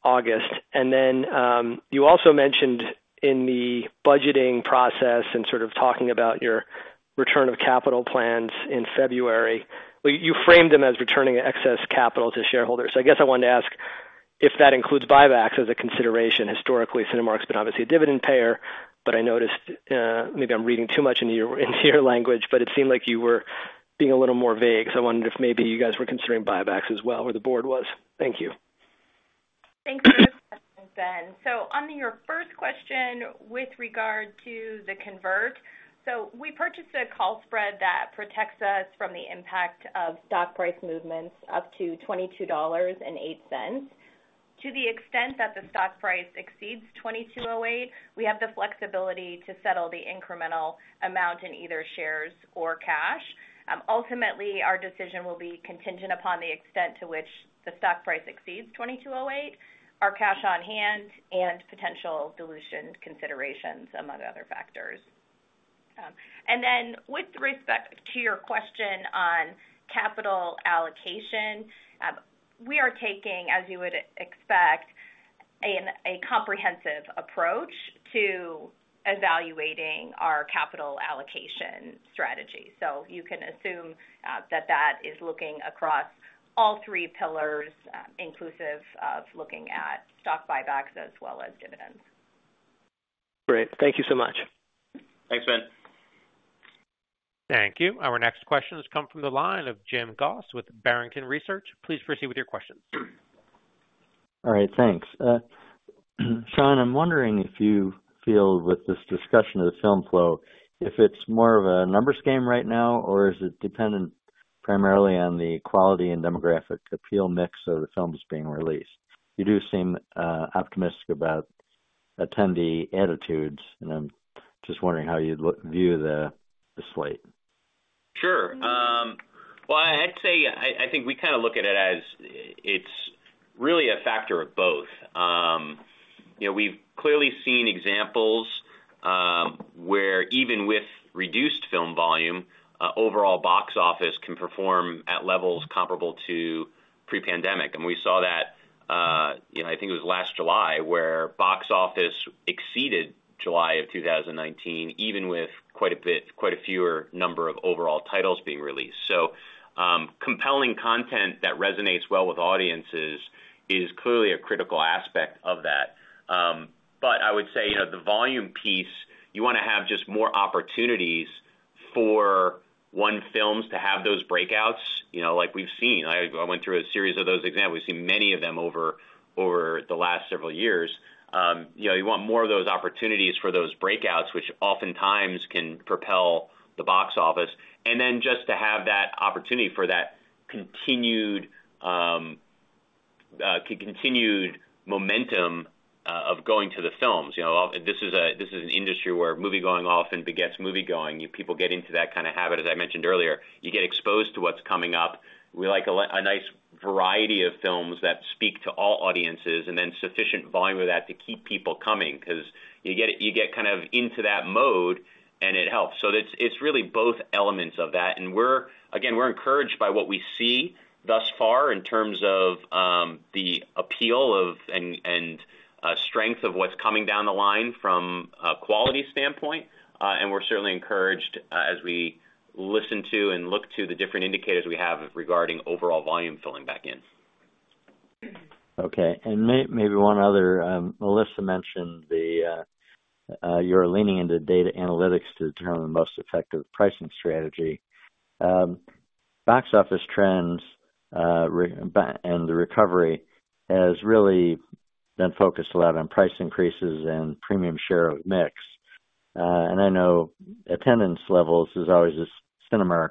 August. And then, you also mentioned in the budgeting process and sort of talking about your return of capital plans in February. Well, you framed them as returning excess capital to shareholders. I guess I wanted to ask if that includes buybacks as a consideration. Historically, Cinemark's been obviously a dividend payer, but I noticed, maybe I'm reading too much into your, into your language, but it seemed like you were being a little more vague, so I wondered if maybe you guys were considering buybacks as well, or the board was. Thank you. Thanks for the question, Ben. So on your first question with regard to the convert, so we purchased a call spread that protects us from the impact of stock price movements up to $22.08. To the extent that the stock price exceeds $22.08, we have the flexibility to settle the incremental amount in either shares or cash. Ultimately, our decision will be contingent upon the extent to which the stock price exceeds $22.08, our cash on hand, and potential dilution considerations, among other factors. And then with respect to your question on capital allocation, we are taking, as you would expect, a comprehensive approach to evaluating our capital allocation strategy. So you can assume that that is looking across all three pillars, inclusive of looking at stock buybacks as well as dividends. Great. Thank you so much. Thanks, Ben. Thank you. Our next question has come from the line of Jim Goss with Barrington Research. Please proceed with your question. All right, thanks. Sean, I'm wondering if you feel, with this discussion of the film flow, if it's more of a numbers game right now, or is it dependent primarily on the quality and demographic appeal mix of the films being released? You do seem optimistic about attendee attitudes, and I'm just wondering how you'd view the slate? Sure. Well, I'd say I think we kind of look at it as it's really a factor of both. You know, we've clearly seen examples where even with reduced film volume, overall box office can perform at levels comparable to pre-pandemic. And we saw that, you know, I think it was last July, where box office exceeded July of 2019, even with quite a bit fewer number of overall titles being released. So, compelling content that resonates well with audiences is clearly a critical aspect of that. But I would say, you know, the volume piece, you wanna have just more opportunities for, one, films to have those breakouts, you know, like we've seen. I went through a series of those examples. We've seen many of them over the last several years. You know, you want more of those opportunities for those breakouts, which oftentimes can propel the box office. And then just to have that opportunity for that continued, continued momentum, of going to the films. You know, this is a, this is an industry where movie-going often begets movie-going. You people get into that kind of habit, as I mentioned earlier. You get exposed to what's coming up. We like a nice variety of films that speak to all audiences, and then sufficient volume of that to keep people coming, 'cause you get, you get kind of into that mode, and it helps. So it's, it's really both elements of that, and we're again, we're encouraged by what we see thus far in terms of, the appeal of, and, and, strength of what's coming down the line from a quality standpoint. We're certainly encouraged as we listen to and look to the different indicators we have regarding overall volume filling back in. Okay, and maybe one other. Melissa mentioned the, you're leaning into data analytics to determine the most effective pricing strategy. Box office trends and the recovery has really been focused a lot on price increases and premium share of mix. And I know attendance levels is always a Cinemark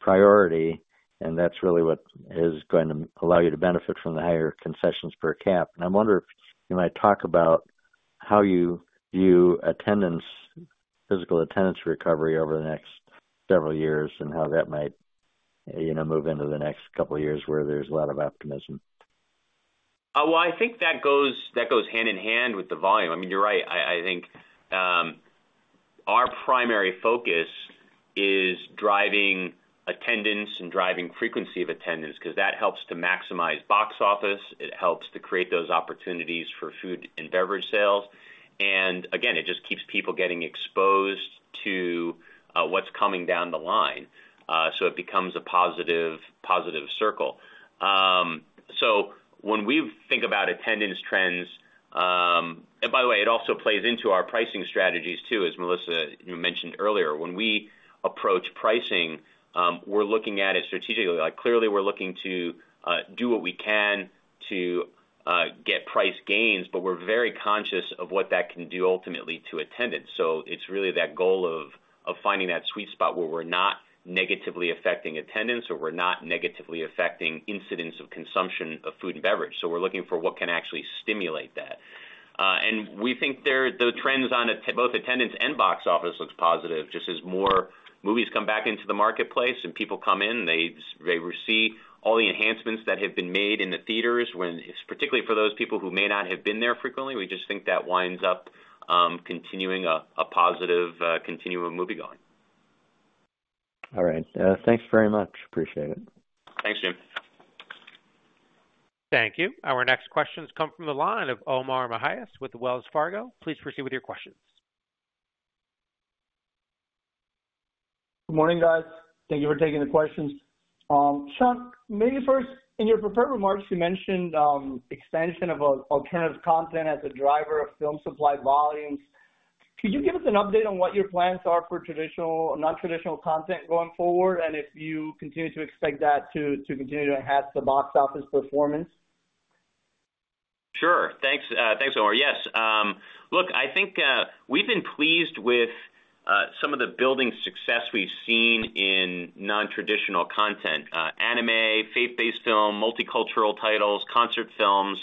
priority, and that's really what is going to allow you to benefit from the higher concessions per cap. And I wonder if you might talk about how you view attendance, physical attendance recovery over the next several years, and how that might, you know, move into the next couple of years where there's a lot of optimism. Well, I think that goes, that goes hand in hand with the volume. I mean, you're right. I think our primary focus is driving attendance and driving frequency of attendance, 'cause that helps to maximize box office, it helps to create those opportunities for food and beverage sales, and again, it just keeps people getting exposed to what's coming down the line, so it becomes a positive, positive circle. So when we think about attendance trends... By the way, it also plays into our pricing strategies, too, as Melissa mentioned earlier. When we approach pricing, we're looking at it strategically. Like, clearly, we're looking to do what we can to get price gains, but we're very conscious of what that can do ultimately to attendance. So it's really that goal of, of finding that sweet spot where we're not negatively affecting attendance, or we're not negatively affecting incidence of consumption of food and beverage. So we're looking for what can actually stimulate that. And we think there, the trends on both attendance and box office looks positive. Just as more movies come back into the marketplace and people come in, they receive all the enhancements that have been made in the theaters, when particularly for those people who may not have been there frequently, we just think that winds up continuing a, a positive continuum of movie-going. All right. Thanks very much. Appreciate it. Thanks, Jim. Thank you. Our next questions come from the line of Omar Mejias with Wells Fargo. Please proceed with your questions. Good morning, guys. Thank you for taking the questions. Sean, maybe first, in your prepared remarks, you mentioned expansion of alternative content as a driver of film supply volumes. Could you give us an update on what your plans are for traditional or non-traditional content going forward, and if you continue to expect that to continue to enhance the box office performance? Sure. Thanks, thanks, Omar. Yes. Look, I think, we've been pleased with, some of the building success we've seen in non-traditional content, anime, faith-based film, multicultural titles, concert films.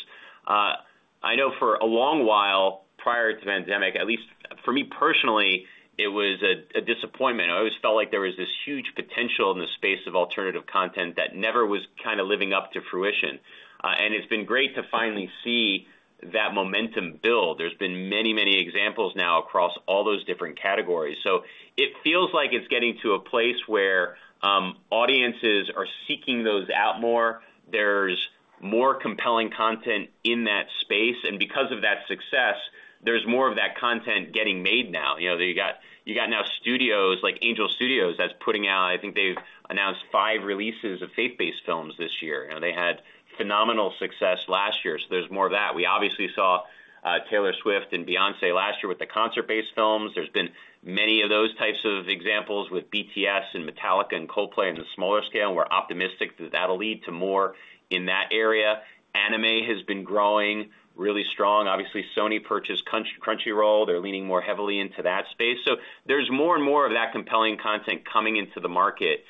I know for a long while, prior to the pandemic, at least for me personally, it was a disappointment. I always felt like there was this huge potential in the space of alternative content that never was kind of living up to fruition. And it's been great to finally see that momentum build. There's been many, many examples now across all those different categories. So it feels like it's getting to a place where, audiences are seeking those out more. There's more compelling content in that space, and because of that success, there's more of that content getting made now. You know, you got, you got now studios like Angel Studios, that's putting out, I think they've announced five releases of faith-based films this year. You know, they had phenomenal success last year, so there's more of that. We obviously saw Taylor Swift and Beyoncé last year with the concert-based films. There's been many of those types of examples with BTS and Metallica and Coldplay in the smaller scale, and we're optimistic that that'll lead to more in that area. Anime has been growing really strong. Obviously, Sony purchased Crunchyroll. They're leaning more heavily into that space. So there's more and more of that compelling content coming into the market.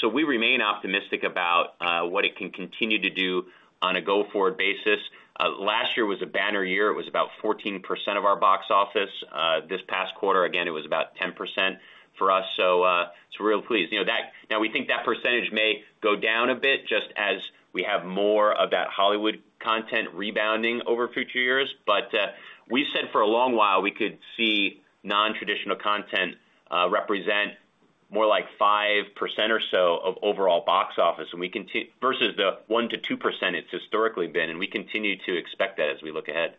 So we remain optimistic about what it can continue to do on a go-forward basis. Last year was a banner year. It was about 14% of our box office. This past quarter, again, it was about 10% for us. So, so we're real pleased. You know, now, we think that percentage may go down a bit, just as we have more of that Hollywood content rebounding over future years. But, we've said for a long while, we could see non-traditional content represent more like 5% or so of overall box office, versus the 1%-2% it's historically been, and we continue to expect that as we look ahead.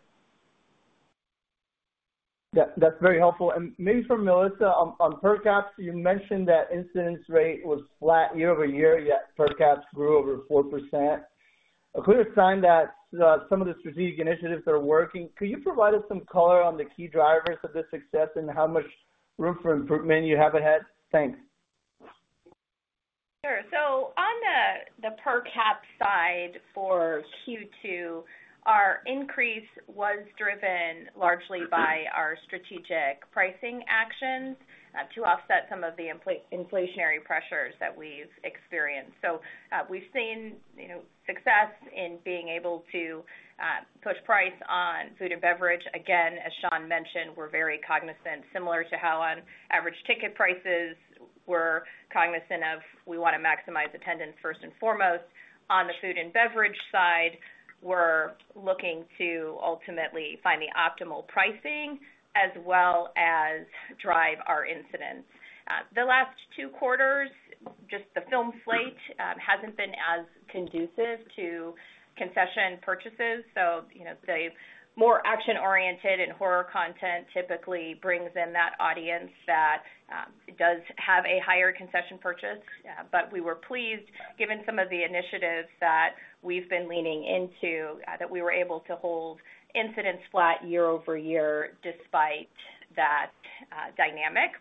Yeah, that's very helpful. And maybe for Melissa, on per caps, you mentioned that incidence rate was flat year-over-year, yet per caps grew over 4%. A clear sign that some of the strategic initiatives are working. Could you provide us some color on the key drivers of this success and how much room for improvement you have ahead? Thanks. Sure. So on the per cap side for Q2, our increase was driven largely by our strategic pricing actions to offset some of the inflationary pressures that we've experienced. So, we've seen, you know, success in being able to push price on food and beverage. Again, as Sean mentioned, we're very cognizant, similar to how on average ticket prices, we're cognizant of, we want to maximize attendance first and foremost. On the food and beverage side, we're looking to ultimately find the optimal pricing as well as drive our incidence. The last two quarters, just the film slate hasn't been as conducive to concession purchases. So you know, the more action-oriented and horror content typically brings in that audience that does have a higher concession purchase. But we were pleased, given some of the initiatives that we've been leaning into, that we were able to hold incidence flat year-over-year, despite that dynamic.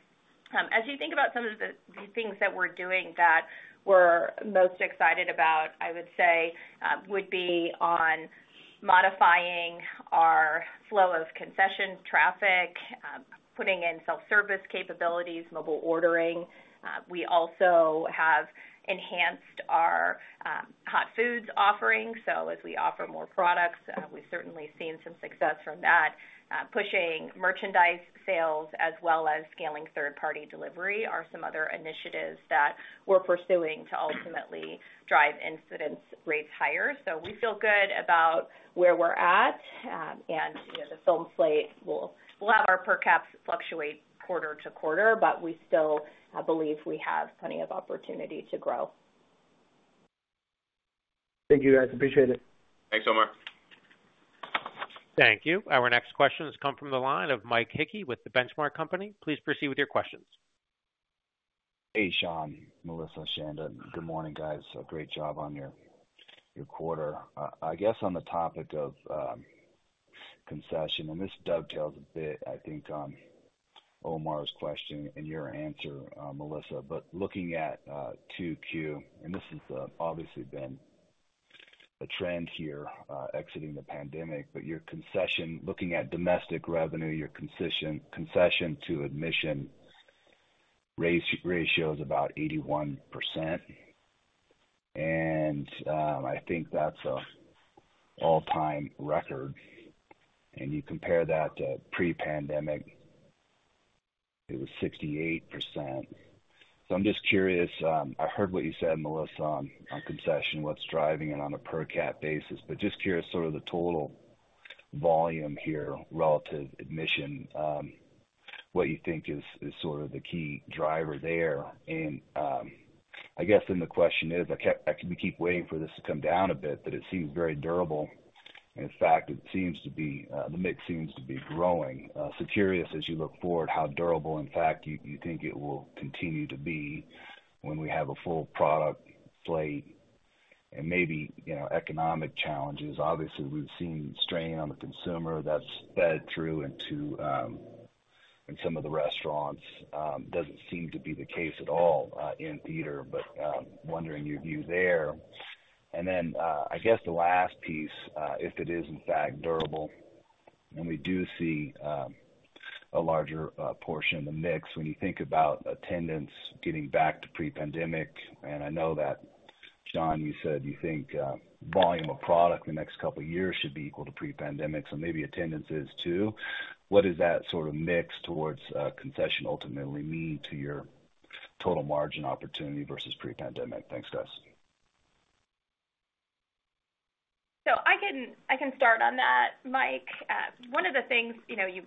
As you think about some of the things that we're doing that we're most excited about, I would say would be on modifying our flow of concession traffic, putting in self-service capabilities, mobile ordering. We also have enhanced our hot foods offering. So as we offer more products, we've certainly seen some success from that. Pushing merchandise sales as well as scaling third-party delivery are some other initiatives that we're pursuing to ultimately drive incidence rates higher. So we feel good about where we're at. You know, the film slate will allow our per caps fluctuate quarter to quarter, but we still believe we have plenty of opportunity to grow. Thank you, guys. Appreciate it. Thanks, Omar. Thank you. Our next question has come from the line of Mike Hickey with The Benchmark Company. Please proceed with your questions. Hey, Sean, Melissa, Chanda. Good morning, guys. A great job on your quarter. I guess on the topic of concession, and this dovetails a bit, I think, on Omar's question and your answer, Melissa. But looking at 2Q, and this has obviously been a trend here, exiting the pandemic, but your concession, looking at domestic revenue, your concession to admission ratio is about 81%, and I think that's an all-time record, and you compare that to pre-pandemic, it was 68%. So I'm just curious, I heard what you said, Melissa, on concession, what's driving it on a per cap basis, but just curious, sort of the total volume here relative admission, what you think is sort of the key driver there. I guess then the question is, I kept- I keep waiting for this to come down a bit, but it seems very durable. In fact, it seems to be, the mix seems to be growing. So curious, as you look forward, how durable, in fact, you, you think it will continue to be when we have a full product slate and maybe, you know, economic challenges? Obviously, we've seen strain on the consumer that's fed through into, in some of the restaurants. Doesn't seem to be the case at all, in theater, but, wondering your view there. And then, I guess the last piece, if it is in fact durable and we do see a larger portion of the mix when you think about attendance getting back to pre-pandemic, and I know that, Sean, you said you think volume of product the next couple of years should be equal to pre-pandemic, so maybe attendance is, too. What does that sort of mix towards concession ultimately mean to your total margin opportunity versus pre-pandemic? Thanks, guys. So I can, I can start on that, Mike. One of the things, you know, you,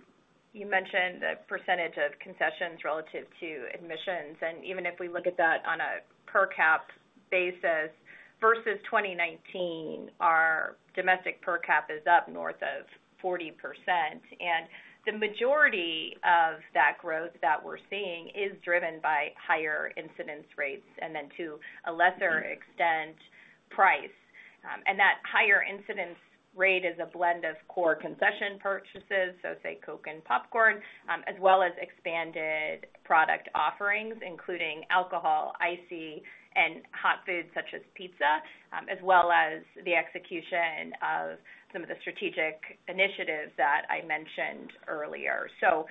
you mentioned the percentage of concessions relative to admissions, and even if we look at that on a per cap basis versus 2019, our domestic per cap is up north of 40%. And the majority of that growth that we're seeing is driven by higher incidence rates, and then to a lesser extent, price. And that higher incidence rate is a blend of core concession purchases, so say, Coke and popcorn, as well as expanded product offerings, including alcohol, ICEE, and hot foods such as pizza, as well as the execution of some of the strategic initiatives that I mentioned earlier. So,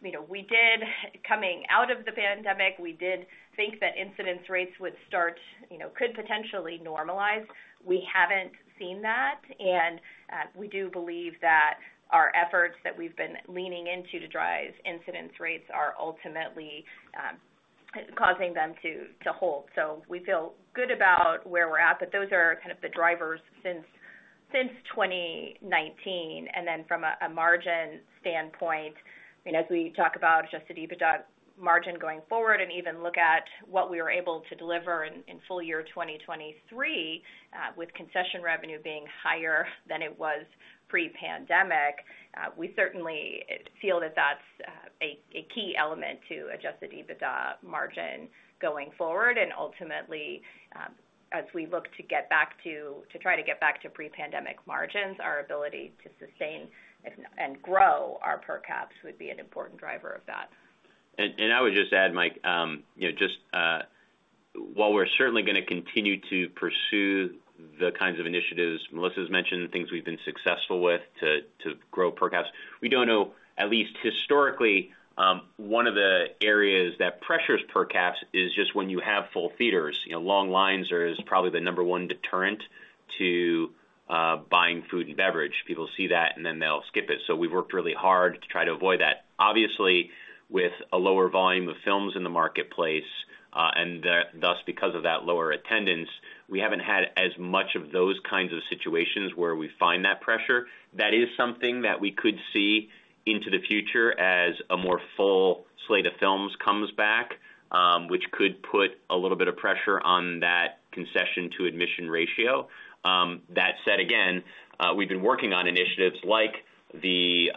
you know, we did coming out of the pandemic, we did think that incidence rates would start, you know, could potentially normalize. We haven't seen that, and we do believe that our efforts that we've been leaning into to drive incidence rates are ultimately causing them to hold. So we feel good about where we're at, but those are kind of the drivers since 2019. And then from a margin standpoint, I mean, as we talk about adjusted EBITDA margin going forward and even look at what we were able to deliver in full-year 2023, with concession revenue being higher than it was pre-pandemic, we certainly feel that that's a key element to adjusted EBITDA margin going forward. And ultimately, as we look to get back to try to get back to pre-pandemic margins, our ability to sustain and grow our per caps would be an important driver of that. I would just add, Mike, you know, just while we're certainly going to continue to pursue the kinds of initiatives Melissa's mentioned, things we've been successful with to grow per caps, we don't know, at least historically, one of the areas that pressures per caps is just when you have full theaters. You know, long lines are probably the number one deterrent to buying food and beverage. People see that, and then they'll skip it. So we've worked really hard to try to avoid that. Obviously, with a lower volume of films in the marketplace, and thus, because of that lower attendance, we haven't had as much of those kinds of situations where we find that pressure. That is something that we could see into the future as a more full slate of films comes back, which could put a little bit of pressure on that concession-to-admission ratio. That said, again, we've been working on initiatives like the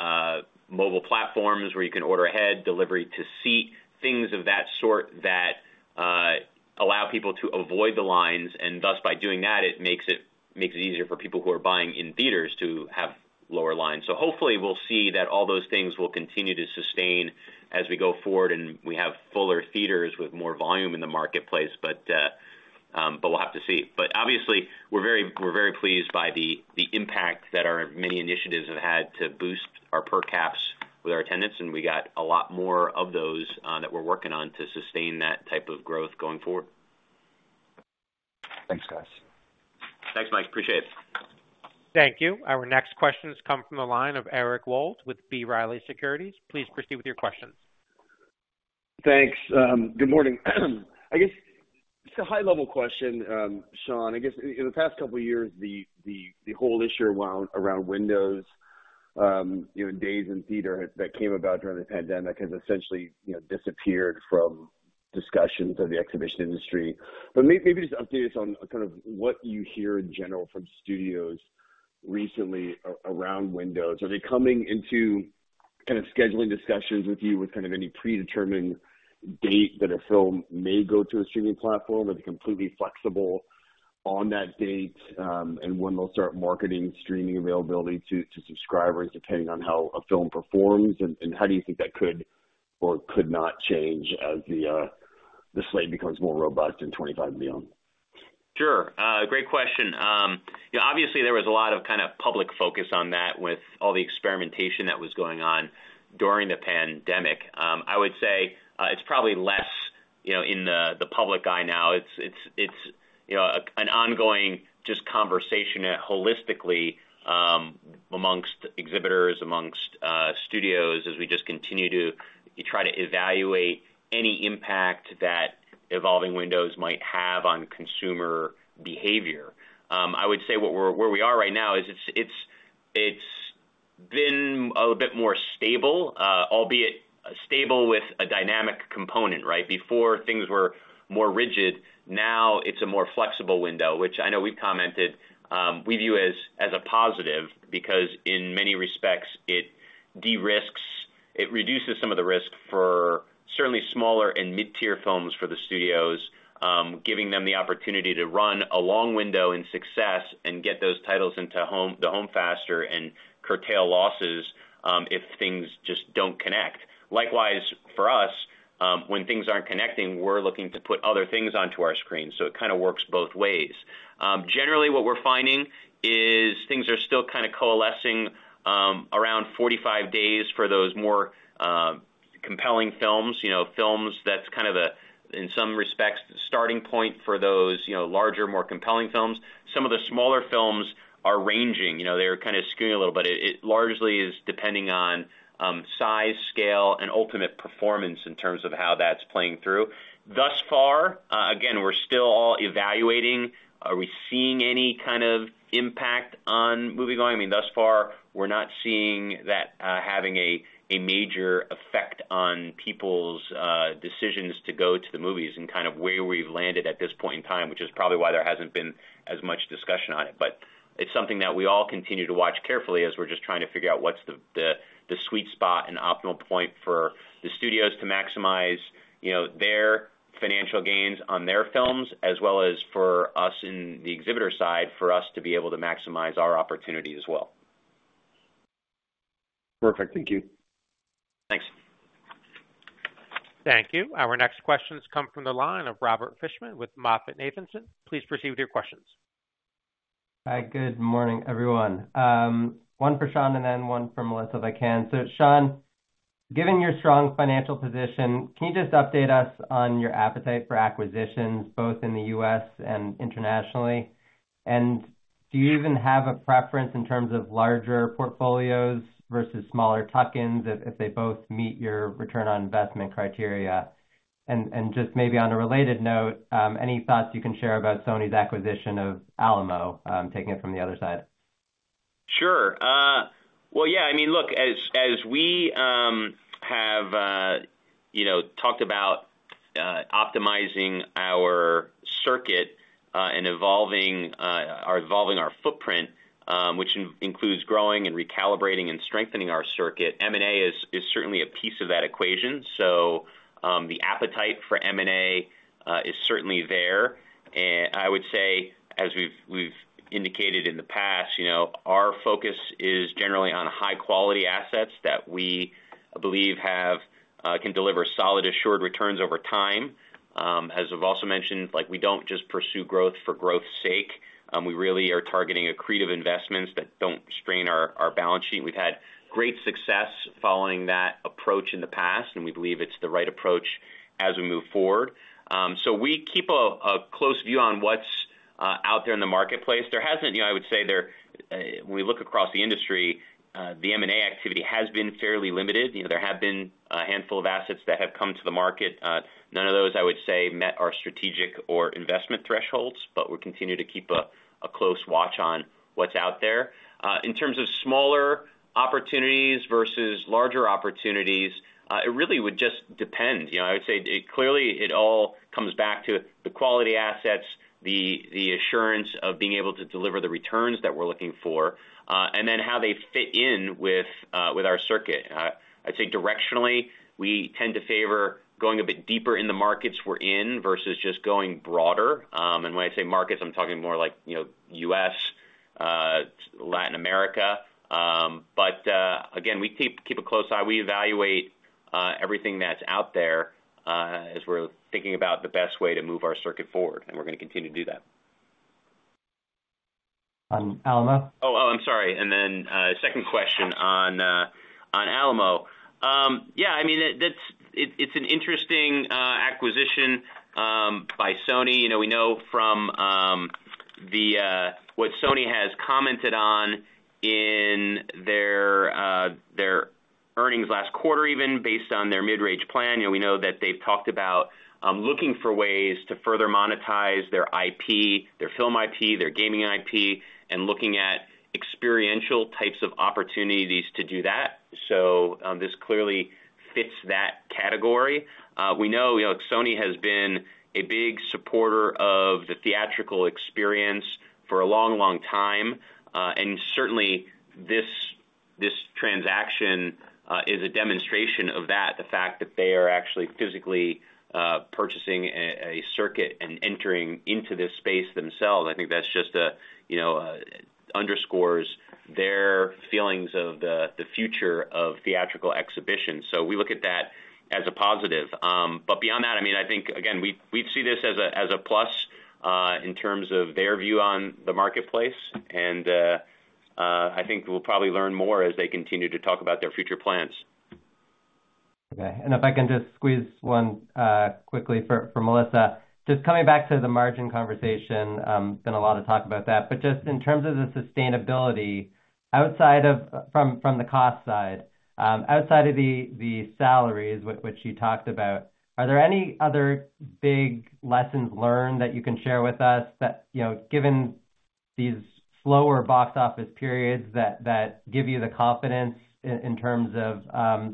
mobile platforms, where you can order ahead, delivery to seat, things of that sort, that allow people to avoid the lines, and thus, by doing that, it makes it easier for people who are buying in theaters to have lower lines. So hopefully, we'll see that all those things will continue to sustain as we go forward, and we have fuller theaters with more volume in the marketplace, but we'll have to see. But obviously, we're very pleased by the impact that our many initiatives have had to boost our per caps with our attendance, and we got a lot more of those that we're working on to sustain that type of growth going forward. Thanks, guys. Thanks, Mike. Appreciate it. Thank you. Our next question has come from the line of Eric Wold with B. Riley Securities. Please proceed with your questions. Thanks. Good morning. I guess just a high-level question, Sean. I guess in the past couple of years, the whole issue around windows, you know, days in theater that came about during the pandemic has essentially, you know, disappeared from discussions of the exhibition industry. But maybe just update us on kind of what you hear in general from studios recently around windows. Are they coming into kind of scheduling discussions with you with kind of any predetermined date that a film may go to a streaming platform, or are they completely flexible on that date, and when they'll start marketing streaming availability to subscribers, depending on how a film performs? And how do you think that could or could not change as the slate becomes more robust in 2025 and beyond? Sure. Great question. You know, obviously there was a lot of kind of public focus on that with all the experimentation that was going on during the pandemic. I would say, it's probably less, you know, in the public eye now. It's you know, an ongoing just conversation holistically, amongst exhibitors, amongst studios, as we just continue to try to evaluate any impact that evolving windows might have on consumer behavior. I would say where we are right now is it's been a bit more stable, albeit stable with a dynamic component, right? Before, things were more rigid. Now, it's a more flexible window, which I know we've commented, we view as, as a positive, because in many respects, it de-risks, it reduces some of the risk for certainly smaller and mid-tier films for the studios, giving them the opportunity to run a long window in success and get those titles into home, the home faster and curtail losses, if things just don't connect. Likewise, for us, when things aren't connecting, we're looking to put other things onto our screen, so it kind of works both ways. Generally, what we're finding is things are still kind of coalescing, around 45 days for those more compelling films. You know, films, that's kind of a, in some respects, the starting point for those, you know, larger, more compelling films. Some of the smaller films are ranging. You know, they're kind of skewing a little bit. It largely is depending on size, scale, and ultimate performance in terms of how that's playing through. Thus far, again, we're still all evaluating. Are we seeing any kind of impact on movie-going? I mean, thus far, we're not seeing that having a major effect on people's decisions to go to the movies and kind of where we've landed at this point in time, which is probably why there hasn't been as much discussion on it. But it's something that we all continue to watch carefully as we're just trying to figure out what's the sweet spot and optimal point for the studios to maximize, you know, their financial gains on their films, as well as for us in the exhibitor side, for us to be able to maximize our opportunity as well. Perfect. Thank you. Thanks. Thank you. Our next questions come from the line of Robert Fishman with MoffettNathanson. Please proceed with your questions. Hi, good morning, everyone. One for Sean and then one for Melissa, if I can. So, Sean, given your strong financial position, can you just update us on your appetite for acquisitions, both in the U.S. and internationally? And do you even have a preference in terms of larger portfolios versus smaller tuck-ins if they both meet your return on investment criteria? And just maybe on a related note, any thoughts you can share about Sony's acquisition of Alamo, taking it from the other side? Sure. Well, yeah, I mean, look, as we have, you know, talked about, optimizing our circuit, and evolving, or evolving our footprint, which includes growing and recalibrating and strengthening our circuit, M&A is certainly a piece of that equation. So, the appetite for M&A is certainly there. And I would say, as we've indicated in the past, you know, our focus is generally on high-quality assets that we believe can deliver solid, assured returns over time. As I've also mentioned, like, we don't just pursue growth for growth's sake. We really are targeting accretive investments that don't strain our balance sheet. We've had great success following that approach in the past, and we believe it's the right approach as we move forward. So we keep a close view on what's out there in the marketplace. There hasn't. You know, I would say there when we look across the industry, the M&A activity has been fairly limited. You know, there have been a handful of assets that have come to the market. None of those, I would say, met our strategic or investment thresholds, but we'll continue to keep a close watch on what's out there. In terms of smaller opportunities versus larger opportunities, it really would just depend. You know, I would say, it clearly, it all comes back to the quality assets, the assurance of being able to deliver the returns that we're looking for, and then how they fit in with our circuit. I'd say directionally, we tend to favor going a bit deeper in the markets we're in versus just going broader. And when I say markets, I'm talking more like, you know, U.S., Latin America. But, again, we keep a close eye. We evaluate everything that's out there, as we're thinking about the best way to move our circuit forward, and we're going to continue to do that. On Alamo? Oh, oh, I'm sorry, and then second question on Alamo. Yeah, I mean, that's it, it's an interesting acquisition by Sony. You know, we know from what Sony has commented on in their earnings last quarter, even based on their mid-range plan, you know, we know that they've talked about looking for ways to further monetize their IP, their film IP, their gaming IP, and looking at experiential types of opportunities to do that. So, this clearly fits that category. We know, you know, Sony has been a big supporter of the theatrical experience for a long, long time, and certainly, this transaction is a demonstration of that. The fact that they are actually physically purchasing a circuit and entering into this space themselves, I think that's just a you know underscores their feelings of the future of theatrical exhibition. So we look at that as a positive. But beyond that, I mean, I think, again, we see this as a plus in terms of their view on the marketplace, and I think we'll probably learn more as they continue to talk about their future plans. Okay, and if I can just squeeze one quickly for Melissa. Just coming back to the margin conversation, there's been a lot of talk about that, but just in terms of the sustainability, outside of from the cost side, outside of the salaries, which you talked about, are there any other big lessons learned that you can share with us that, you know, given these slower box office periods that give you the confidence in terms of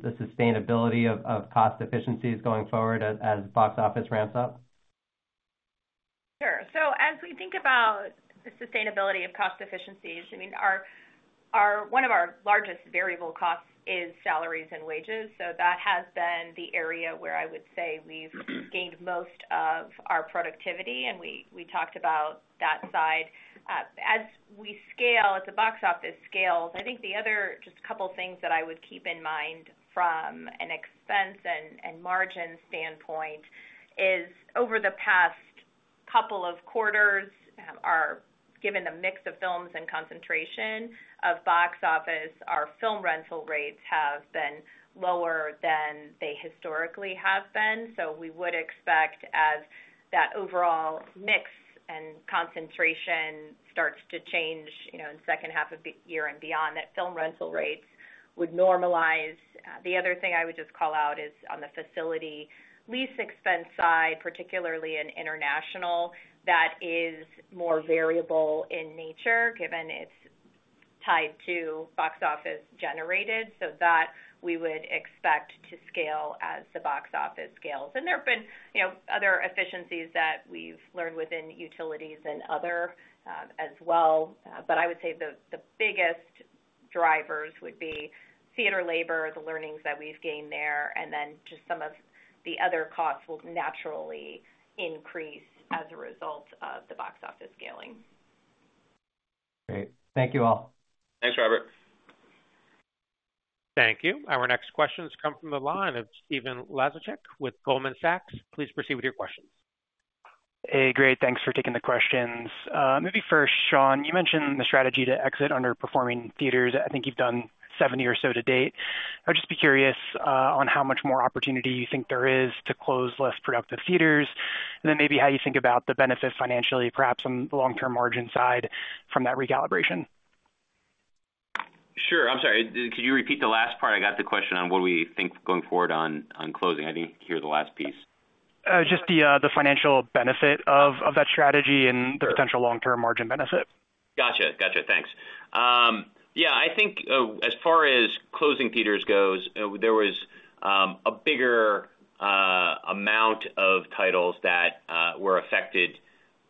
the sustainability of cost efficiencies going forward as box office ramps up? Sure. So as we think about the sustainability of cost efficiencies, I mean, our one of our largest variable costs is salaries and wages, so that has been the area where I would say we've gained most of our productivity, and we, we talked about that side. As we scale, as the box office scales, I think the other just couple things that I would keep in mind from an expense and, and margin standpoint is, over the past couple of quarters, our given the mix of films and concentration of box office, our film rental rates have been lower than they historically have been. So we would expect as that overall mix and concentration starts to change, you know, in second half of the year and beyond, that film rental rates would normalize. The other thing I would just call out is on the facility lease expense side, particularly in international, that is more variable in nature, given it's tied to box office generated, so that we would expect to scale as the box office scales. There have been, you know, other efficiencies that we've learned within utilities and other, as well. But I would say the biggest drivers would be theater labor, the learnings that we've gained there, and then just some of the other costs will naturally increase as a result of the box office scaling. Great. Thank you, all. Thanks, Robert. Thank you. Our next question comes from the line of Stephen Laszczyk with Goldman Sachs. Please proceed with your question. Hey, great. Thanks for taking the questions. Maybe first, Sean, you mentioned the strategy to exit underperforming theaters. I think you've done 70 or so to date. I'd just be curious, on how much more opportunity you think there is to close less productive theaters, and then maybe how you think about the benefit financially, perhaps on the long-term margin side from that recalibration. Sure. I'm sorry, could you repeat the last part? I got the question on what we think going forward on, on closing. I didn't hear the last piece. Just the financial benefit of that strategy and the potential long-term margin benefit. Gotcha. Gotcha. Thanks. Yeah, I think as far as closing theaters goes, there was a bigger amount of titles that were affected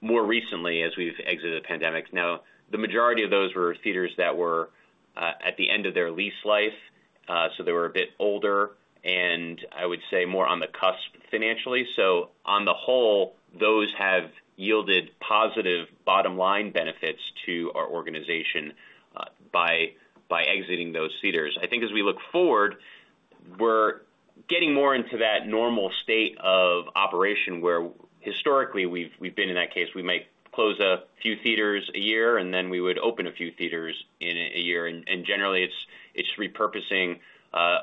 more recently as we've exited the pandemic. Now, the majority of those were theaters that were at the end of their lease life, so they were a bit older, and I would say more on the cusp financially. So on the whole, those have yielded positive bottom line benefits to our organization by exiting those theaters. I think as we look forward, we're getting more into that normal state of operation, where historically we've been in that case we might close a few theaters a year, and then we would open a few theaters in a year. And generally, it's repurposing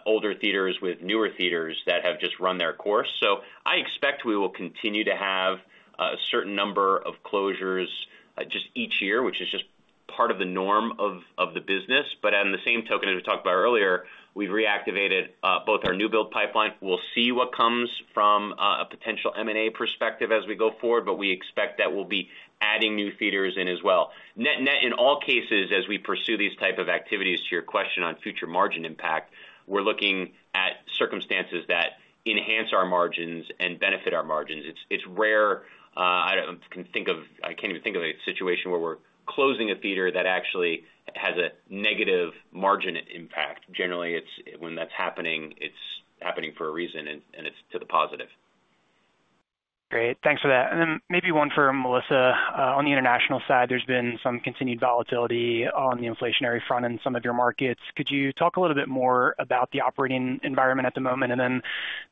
older theaters with newer theaters that have just run their course. So I expect we will continue to have a certain number of closures just each year, which is just part of the norm of the business. But on the same token, as we talked about earlier, we've reactivated both our new build pipeline. We'll see what comes from a potential M&A perspective as we go forward, but we expect that we'll be adding new theaters in as well. Net-net, in all cases, as we pursue these type of activities, to your question on future margin impact, we're looking at circumstances that enhance our margins and benefit our margins. It's rare, I can't even think of a situation where we're closing a theater that actually has a negative margin impact. Generally, it's when that's happening, it's happening for a reason, and it's to the positive. Great, thanks for that. And then maybe one for Melissa. On the international side, there's been some continued volatility on the inflationary front in some of your markets. Could you talk a little bit more about the operating environment at the moment? And then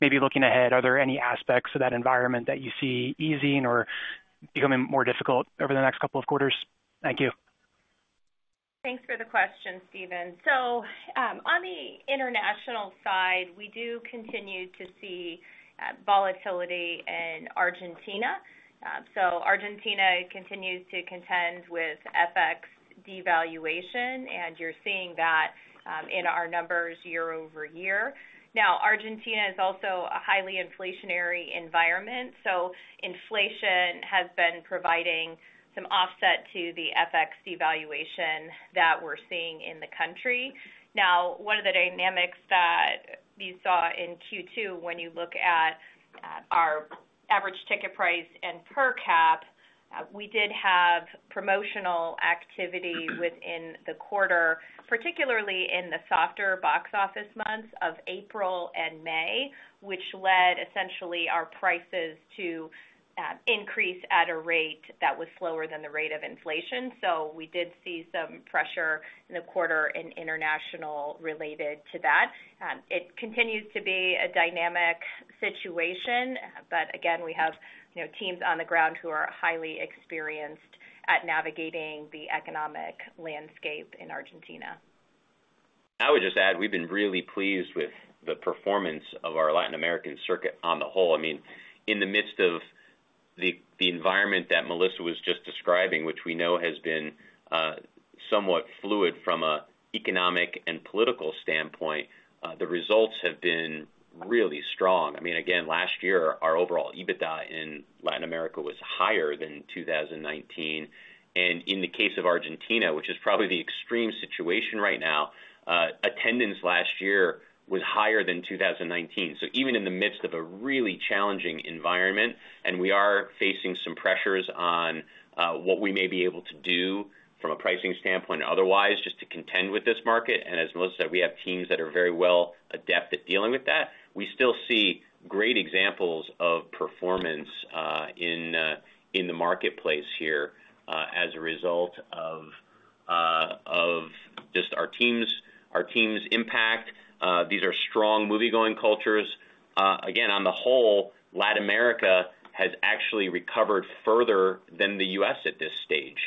maybe looking ahead, are there any aspects of that environment that you see easing or becoming more difficult over the next couple of quarters? Thank you. Thanks for the question, Steven. So, on the international side, we do continue to see volatility in Argentina. So Argentina continues to contend with FX devaluation, and you're seeing that in our numbers year-over-year. Now, Argentina is also a highly inflationary environment, so inflation has been providing some offset to the FX devaluation that we're seeing in the country. Now, one of the dynamics that you saw in Q2, when you look at our average ticket price and per cap, we did have promotional activity within the quarter, particularly in the softer box office months of April and May, which led essentially our prices to increase at a rate that was slower than the rate of inflation. So we did see some pressure in the quarter in international related to that. It continues to be a dynamic situation, but again, we have, you know, teams on the ground who are highly experienced at navigating the economic landscape in Argentina. I would just add, we've been really pleased with the performance of our Latin American circuit on the whole. I mean, in the midst of the environment that Melissa was just describing, which we know has been somewhat fluid from an economic and political standpoint, the results have been really strong. I mean, again, last year, our overall EBITDA in Latin America was higher than 2019. And in the case of Argentina, which is probably the extreme situation right now, attendance last year was higher than 2019. So even in the midst of a really challenging environment, and we are facing some pressures on what we may be able to do from a pricing standpoint or otherwise, just to contend with this market, and as Melissa said, we have teams that are very well adept at dealing with that. We still see great examples of performance in the marketplace here as a result of just our teams, our teams' impact. These are strong - cultures. Again, on the whole, Latin America has actually recovered further than the US at this stage.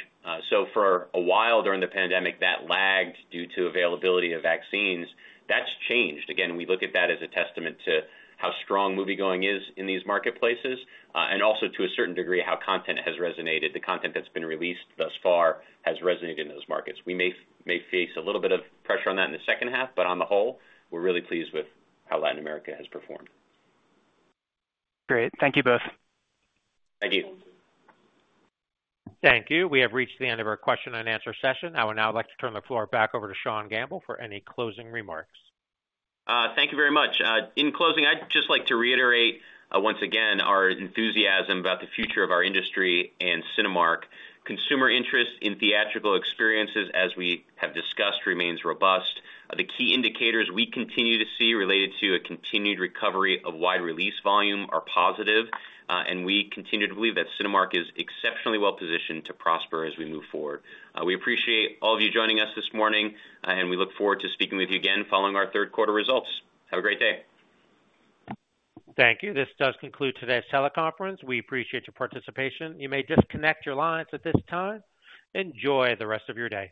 So for a while during the pandemic, that lagged due to availability of vaccines. That's changed. Again, we look at that as a testament to how strong movie-going is in these marketplaces and also to a certain degree, how content has resonated. The content that's been released thus far has resonated in those markets. We may face a little bit of pressure on that in the second half, but on the whole, we're really pleased with how Latin America has performed. Great. Thank you both. Thank you. Thank you. We have reached the end of our question and answer session. I would now like to turn the floor back over to Sean Gamble for any closing remarks. Thank you very much. In closing, I'd just like to reiterate, once again, our enthusiasm about the future of our industry and Cinemark. Consumer interest in theatrical experiences, as we have discussed, remains robust. The key indicators we continue to see related to a continued recovery of wide release volume are positive, and we continue to believe that Cinemark is exceptionally well-positioned to prosper as we move forward. We appreciate all of you joining us this morning, and we look forward to speaking with you again following our third quarter results. Have a great day. Thank you. This does conclude today's teleconference. We appreciate your participation. You may disconnect your lines at this time. Enjoy the rest of your day.